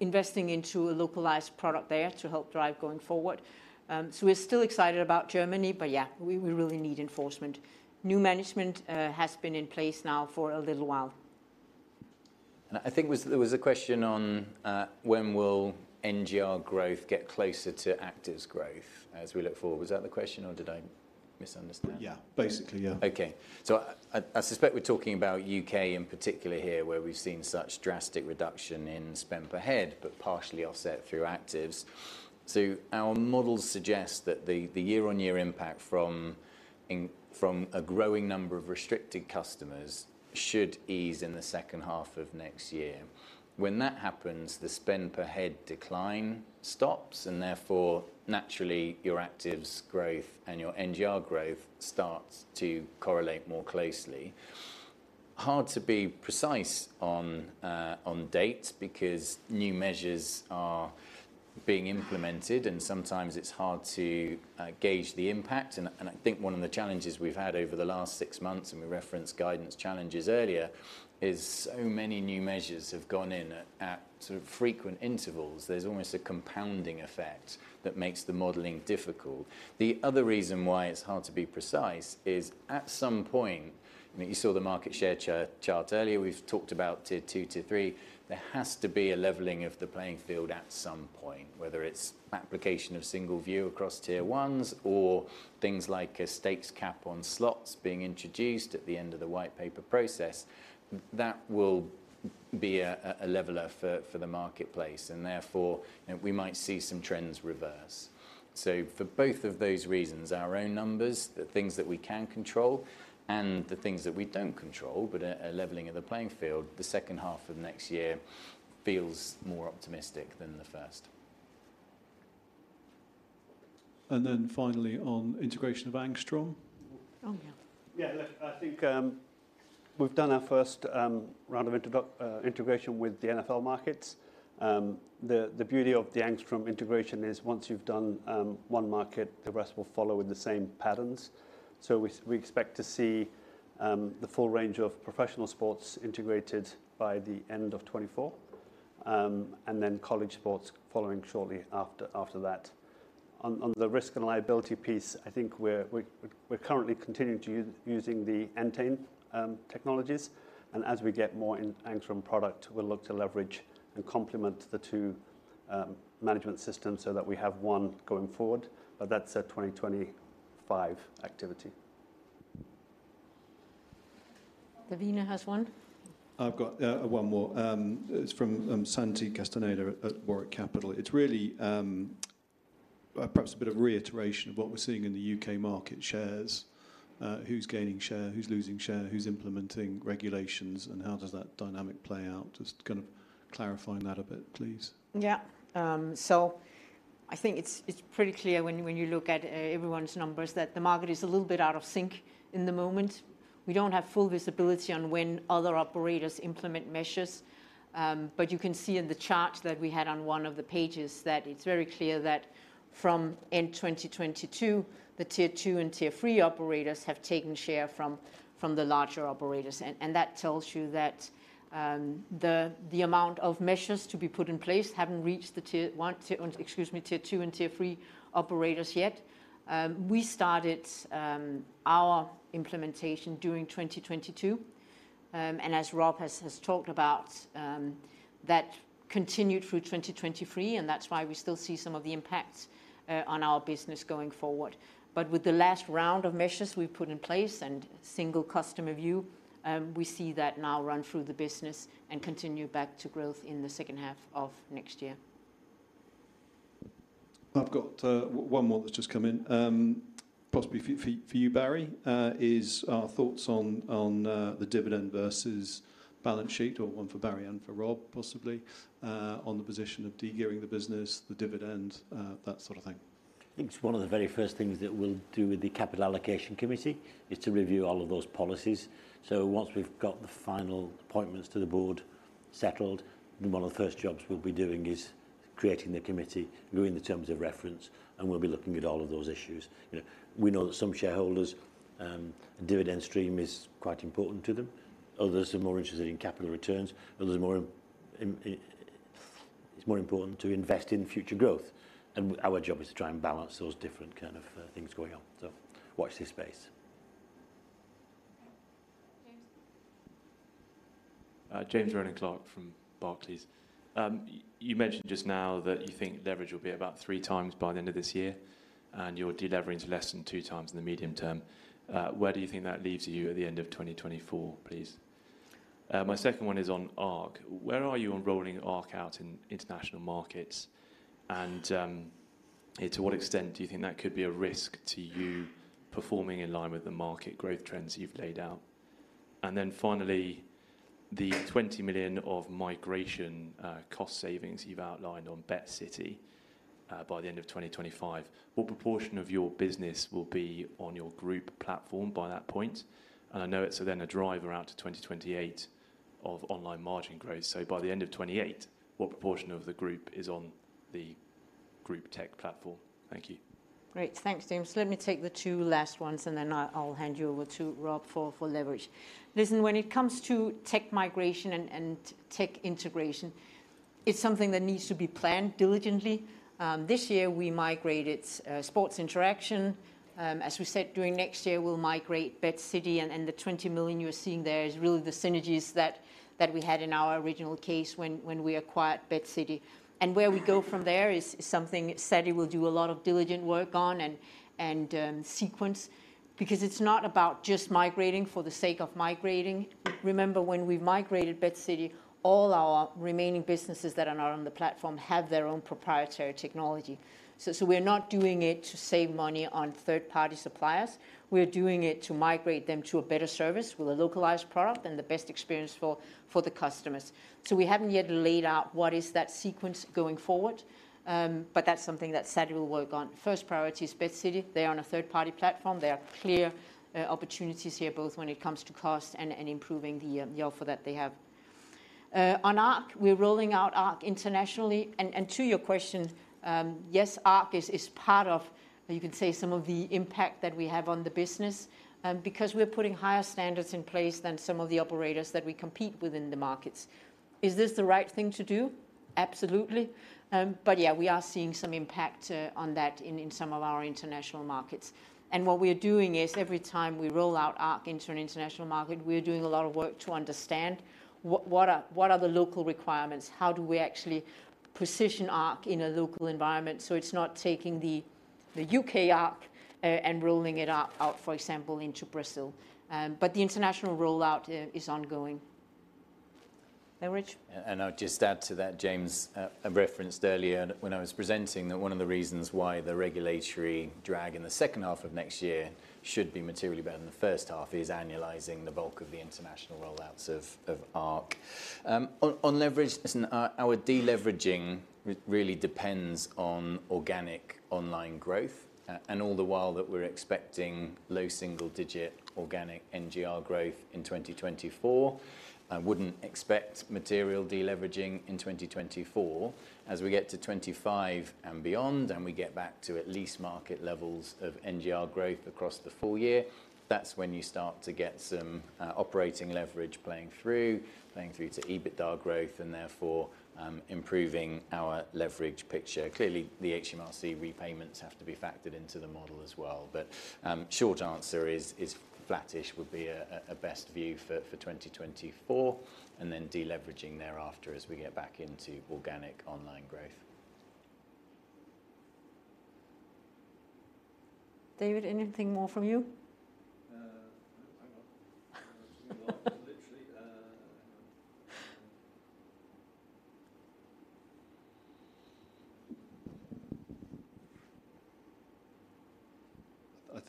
investing into a localized product there to help drive going forward. So we're still excited about Germany. But yeah, we really need enforcement. New management has been in place now for a little while. I think there was a question on when will NGR growth get closer to Actives growth as we look forward. Was that the question? Or did I misunderstand? Yeah, basically, yeah. OK, so I suspect we're talking about UK in particular here, where we've seen such drastic reduction in spend per head but partially offset through actives. So our models suggest that the year-on-year impact from a growing number of restricted customers should ease in the second half of next year. When that happens, the spend per head decline stops. And therefore, naturally, your actives growth and your NGR growth starts to correlate more closely. Hard to be precise on dates because new measures are being implemented. And sometimes it's hard to gauge the impact. And I think one of the challenges we've had over the last 6 months and we referenced guidance challenges earlier is so many new measures have gone in at sort of frequent intervals. There's almost a compounding effect that makes the modeling difficult. The other reason why it's hard to be precise is at some point you saw the market share chart earlier. We've talked about Tier 2, Tier 3. There has to be a leveling of the playing field at some point, whether it's application of single view across Tier 1s or things like a stakes cap on slots being introduced at the end of the White Paper process. That will be a leveler for the marketplace. And therefore, we might see some trends reverse. So for both of those reasons, our own numbers, the things that we can control, and the things that we don't control, but a leveling of the playing field, the second half of next year feels more optimistic than the first. And then finally on integration of Angstrom. Oh, yeah. Yeah, look, I think we've done our first round of integration with the NFL markets. The beauty of the Angstrom integration is once you've done one market, the rest will follow in the same patterns. So we expect to see the full range of professional sports integrated by the end of 2024 and then college sports following shortly after that. On the risk and liability piece, I think we're currently continuing to be using the Entain technologies. As we get more in Angstrom product, we'll look to leverage and complement the two management systems so that we have one going forward. But that's a 2025 activity. Davina has one. I've got one more. It's from Santiago Sherborne at Warwick Capital Partners. It's really perhaps a bit of reiteration of what we're seeing in the U.K. market shares who's gaining share, who's losing share, who's implementing regulations, and how does that dynamic play out. Just kind of clarifying that a bit, please. Yeah, so I think it's pretty clear when you look at everyone's numbers that the market is a little bit out of sync in the moment. We don't have full visibility on when other operators implement measures. But you can see in the chart that we had on one of the pages that it's very clear that from end 2022, the Tier 2 and Tier 3 operators have taken share from the larger operators. And that tells you that the amount of measures to be put in place haven't reached the Tier 1, excuse me, Tier 2 and Tier 3 operators yet. We started our implementation during 2022. And as Rob has talked about, that continued through 2023. And that's why we still see some of the impacts on our business going forward. But with the last round of measures we put in place and Single Customer View, we see that now run through the business and continue back to growth in the second half of next year. I've got one more that's just come in, possibly for you, Barry, is our thoughts on the dividend versus balance sheet, or one for Barry and for Rob possibly, on the position of degearing the business, the dividend, that sort of thing. I think one of the very first things that we'll do with the Capital Allocation Committee is to review all of those policies. So once we've got the final appointments to the board settled, then one of the first jobs we'll be doing is creating the committee, agreeing the terms of reference. And we'll be looking at all of those issues. We know that some shareholders, a dividend stream is quite important to them. Others are more interested in capital returns. Others are more it's more important to invest in future growth. And our job is to try and balance those different kind of things going on. So watch this space. James? James Rowland-Clark from Barclays. You mentioned just now that you think leverage will be about three times by the end of this year. You're deleveraging to less than two times in the medium term. Where do you think that leaves you at the end of 2024, please? My second one is on ARC. Where are you enrolling ARC out in international markets? To what extent do you think that could be a risk to you performing in line with the market growth trends you've laid out? Then finally, the $20 million of migration cost savings you've outlined on BetCity by the end of 2025, what proportion of your business will be on your group platform by that point? I know it's then a driver out to 2028 of online margin growth. By the end of 2028, what proportion of the group is on the group tech platform? Thank you. Great. Thanks, James. Let me take the two last ones. And then I'll hand you over to Rob for leverage. Listen, when it comes to tech migration and tech integration, it's something that needs to be planned diligently. This year, we migrated Sports Interaction. As we said, during next year, we'll migrate BetCity. And the $20 million you're seeing there is really the synergies that we had in our original case when we acquired BetCity. And where we go from there is something Satty will do a lot of diligent work on and sequence because it's not about just migrating for the sake of migrating. Remember, when we migrated BetCity, all our remaining businesses that are not on the platform have their own proprietary technology. So we're not doing it to save money on third-party suppliers. We're doing it to migrate them to a better service with a localized product and the best experience for the customers. So we haven't yet laid out what is that sequence going forward. But that's something that Satty will work on. First priority is BetCity. They're on a third-party platform. There are clear opportunities here, both when it comes to cost and improving the offer that they have. On ARC, we're rolling out ARC internationally. And to your question, yes, ARC is part of, you can say, some of the impact that we have on the business because we're putting higher standards in place than some of the operators that we compete with in the markets. Is this the right thing to do? Absolutely. But yeah, we are seeing some impact on that in some of our international markets. And what we are doing is every time we roll out ARC into an international market, we are doing a lot of work to understand what are the local requirements? How do we actually position ARC in a local environment so it's not taking the UK ARC and rolling it out, for example, into Brazil? But the international rollout is ongoing. Leverage? I'll just add to that. James referenced earlier when I was presenting that one of the reasons why the regulatory drag in the second half of next year should be materially better than the first half is annualizing the bulk of the international rollouts of ARC. On leverage, listen, our deleveraging really depends on organic online growth. And all the while that we're expecting low single-digit organic NGR growth in 2024, I wouldn't expect material deleveraging in 2024. As we get to 2025 and beyond and we get back to at least market levels of NGR growth across the full year, that's when you start to get some operating leverage playing through, playing through to EBITDA growth, and therefore improving our leverage picture. Clearly, the HMRC repayments have to be factored into the model as well. But short answer is flattish would be a best view for 2024 and then deleveraging thereafter as we get back into organic online growth. David, anything more from you?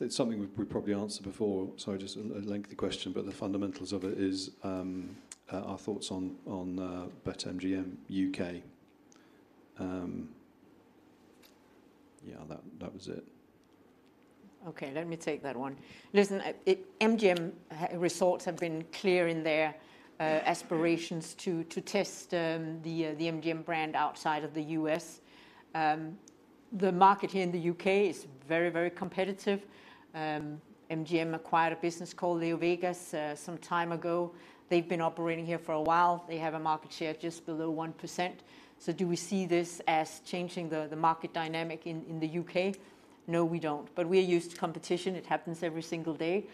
I've got too many thoughts, literally. Hang on. I think something we probably answered before. Sorry, just a lengthy question. The fundamentals of it is our thoughts on BetMGM UK. Yeah, that was it. OK, let me take that one. Listen, MGM Resorts have been clear in their aspirations to test the MGM brand outside of the U.S. The market here in the U.K. is very, very competitive. MGM acquired a business called LeoVegas some time ago. They've been operating here for a while. They have a market share just below 1%. So do we see this as changing the market dynamic in the U.K.? No, we don't. But we are used to competition. It happens every single day.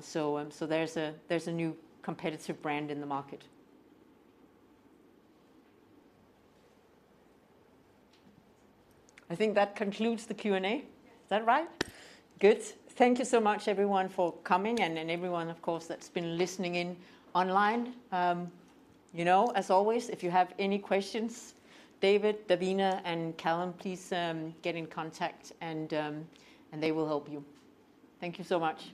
So there's a new competitive brand in the market. I think that concludes the Q&A. Is that right? Good. Thank you so much, everyone, for coming. And everyone, of course, that's been listening in online. You know, as always, if you have any questions, David, Davina, and Callum, please get in contact. And they will help you. Thank you so much.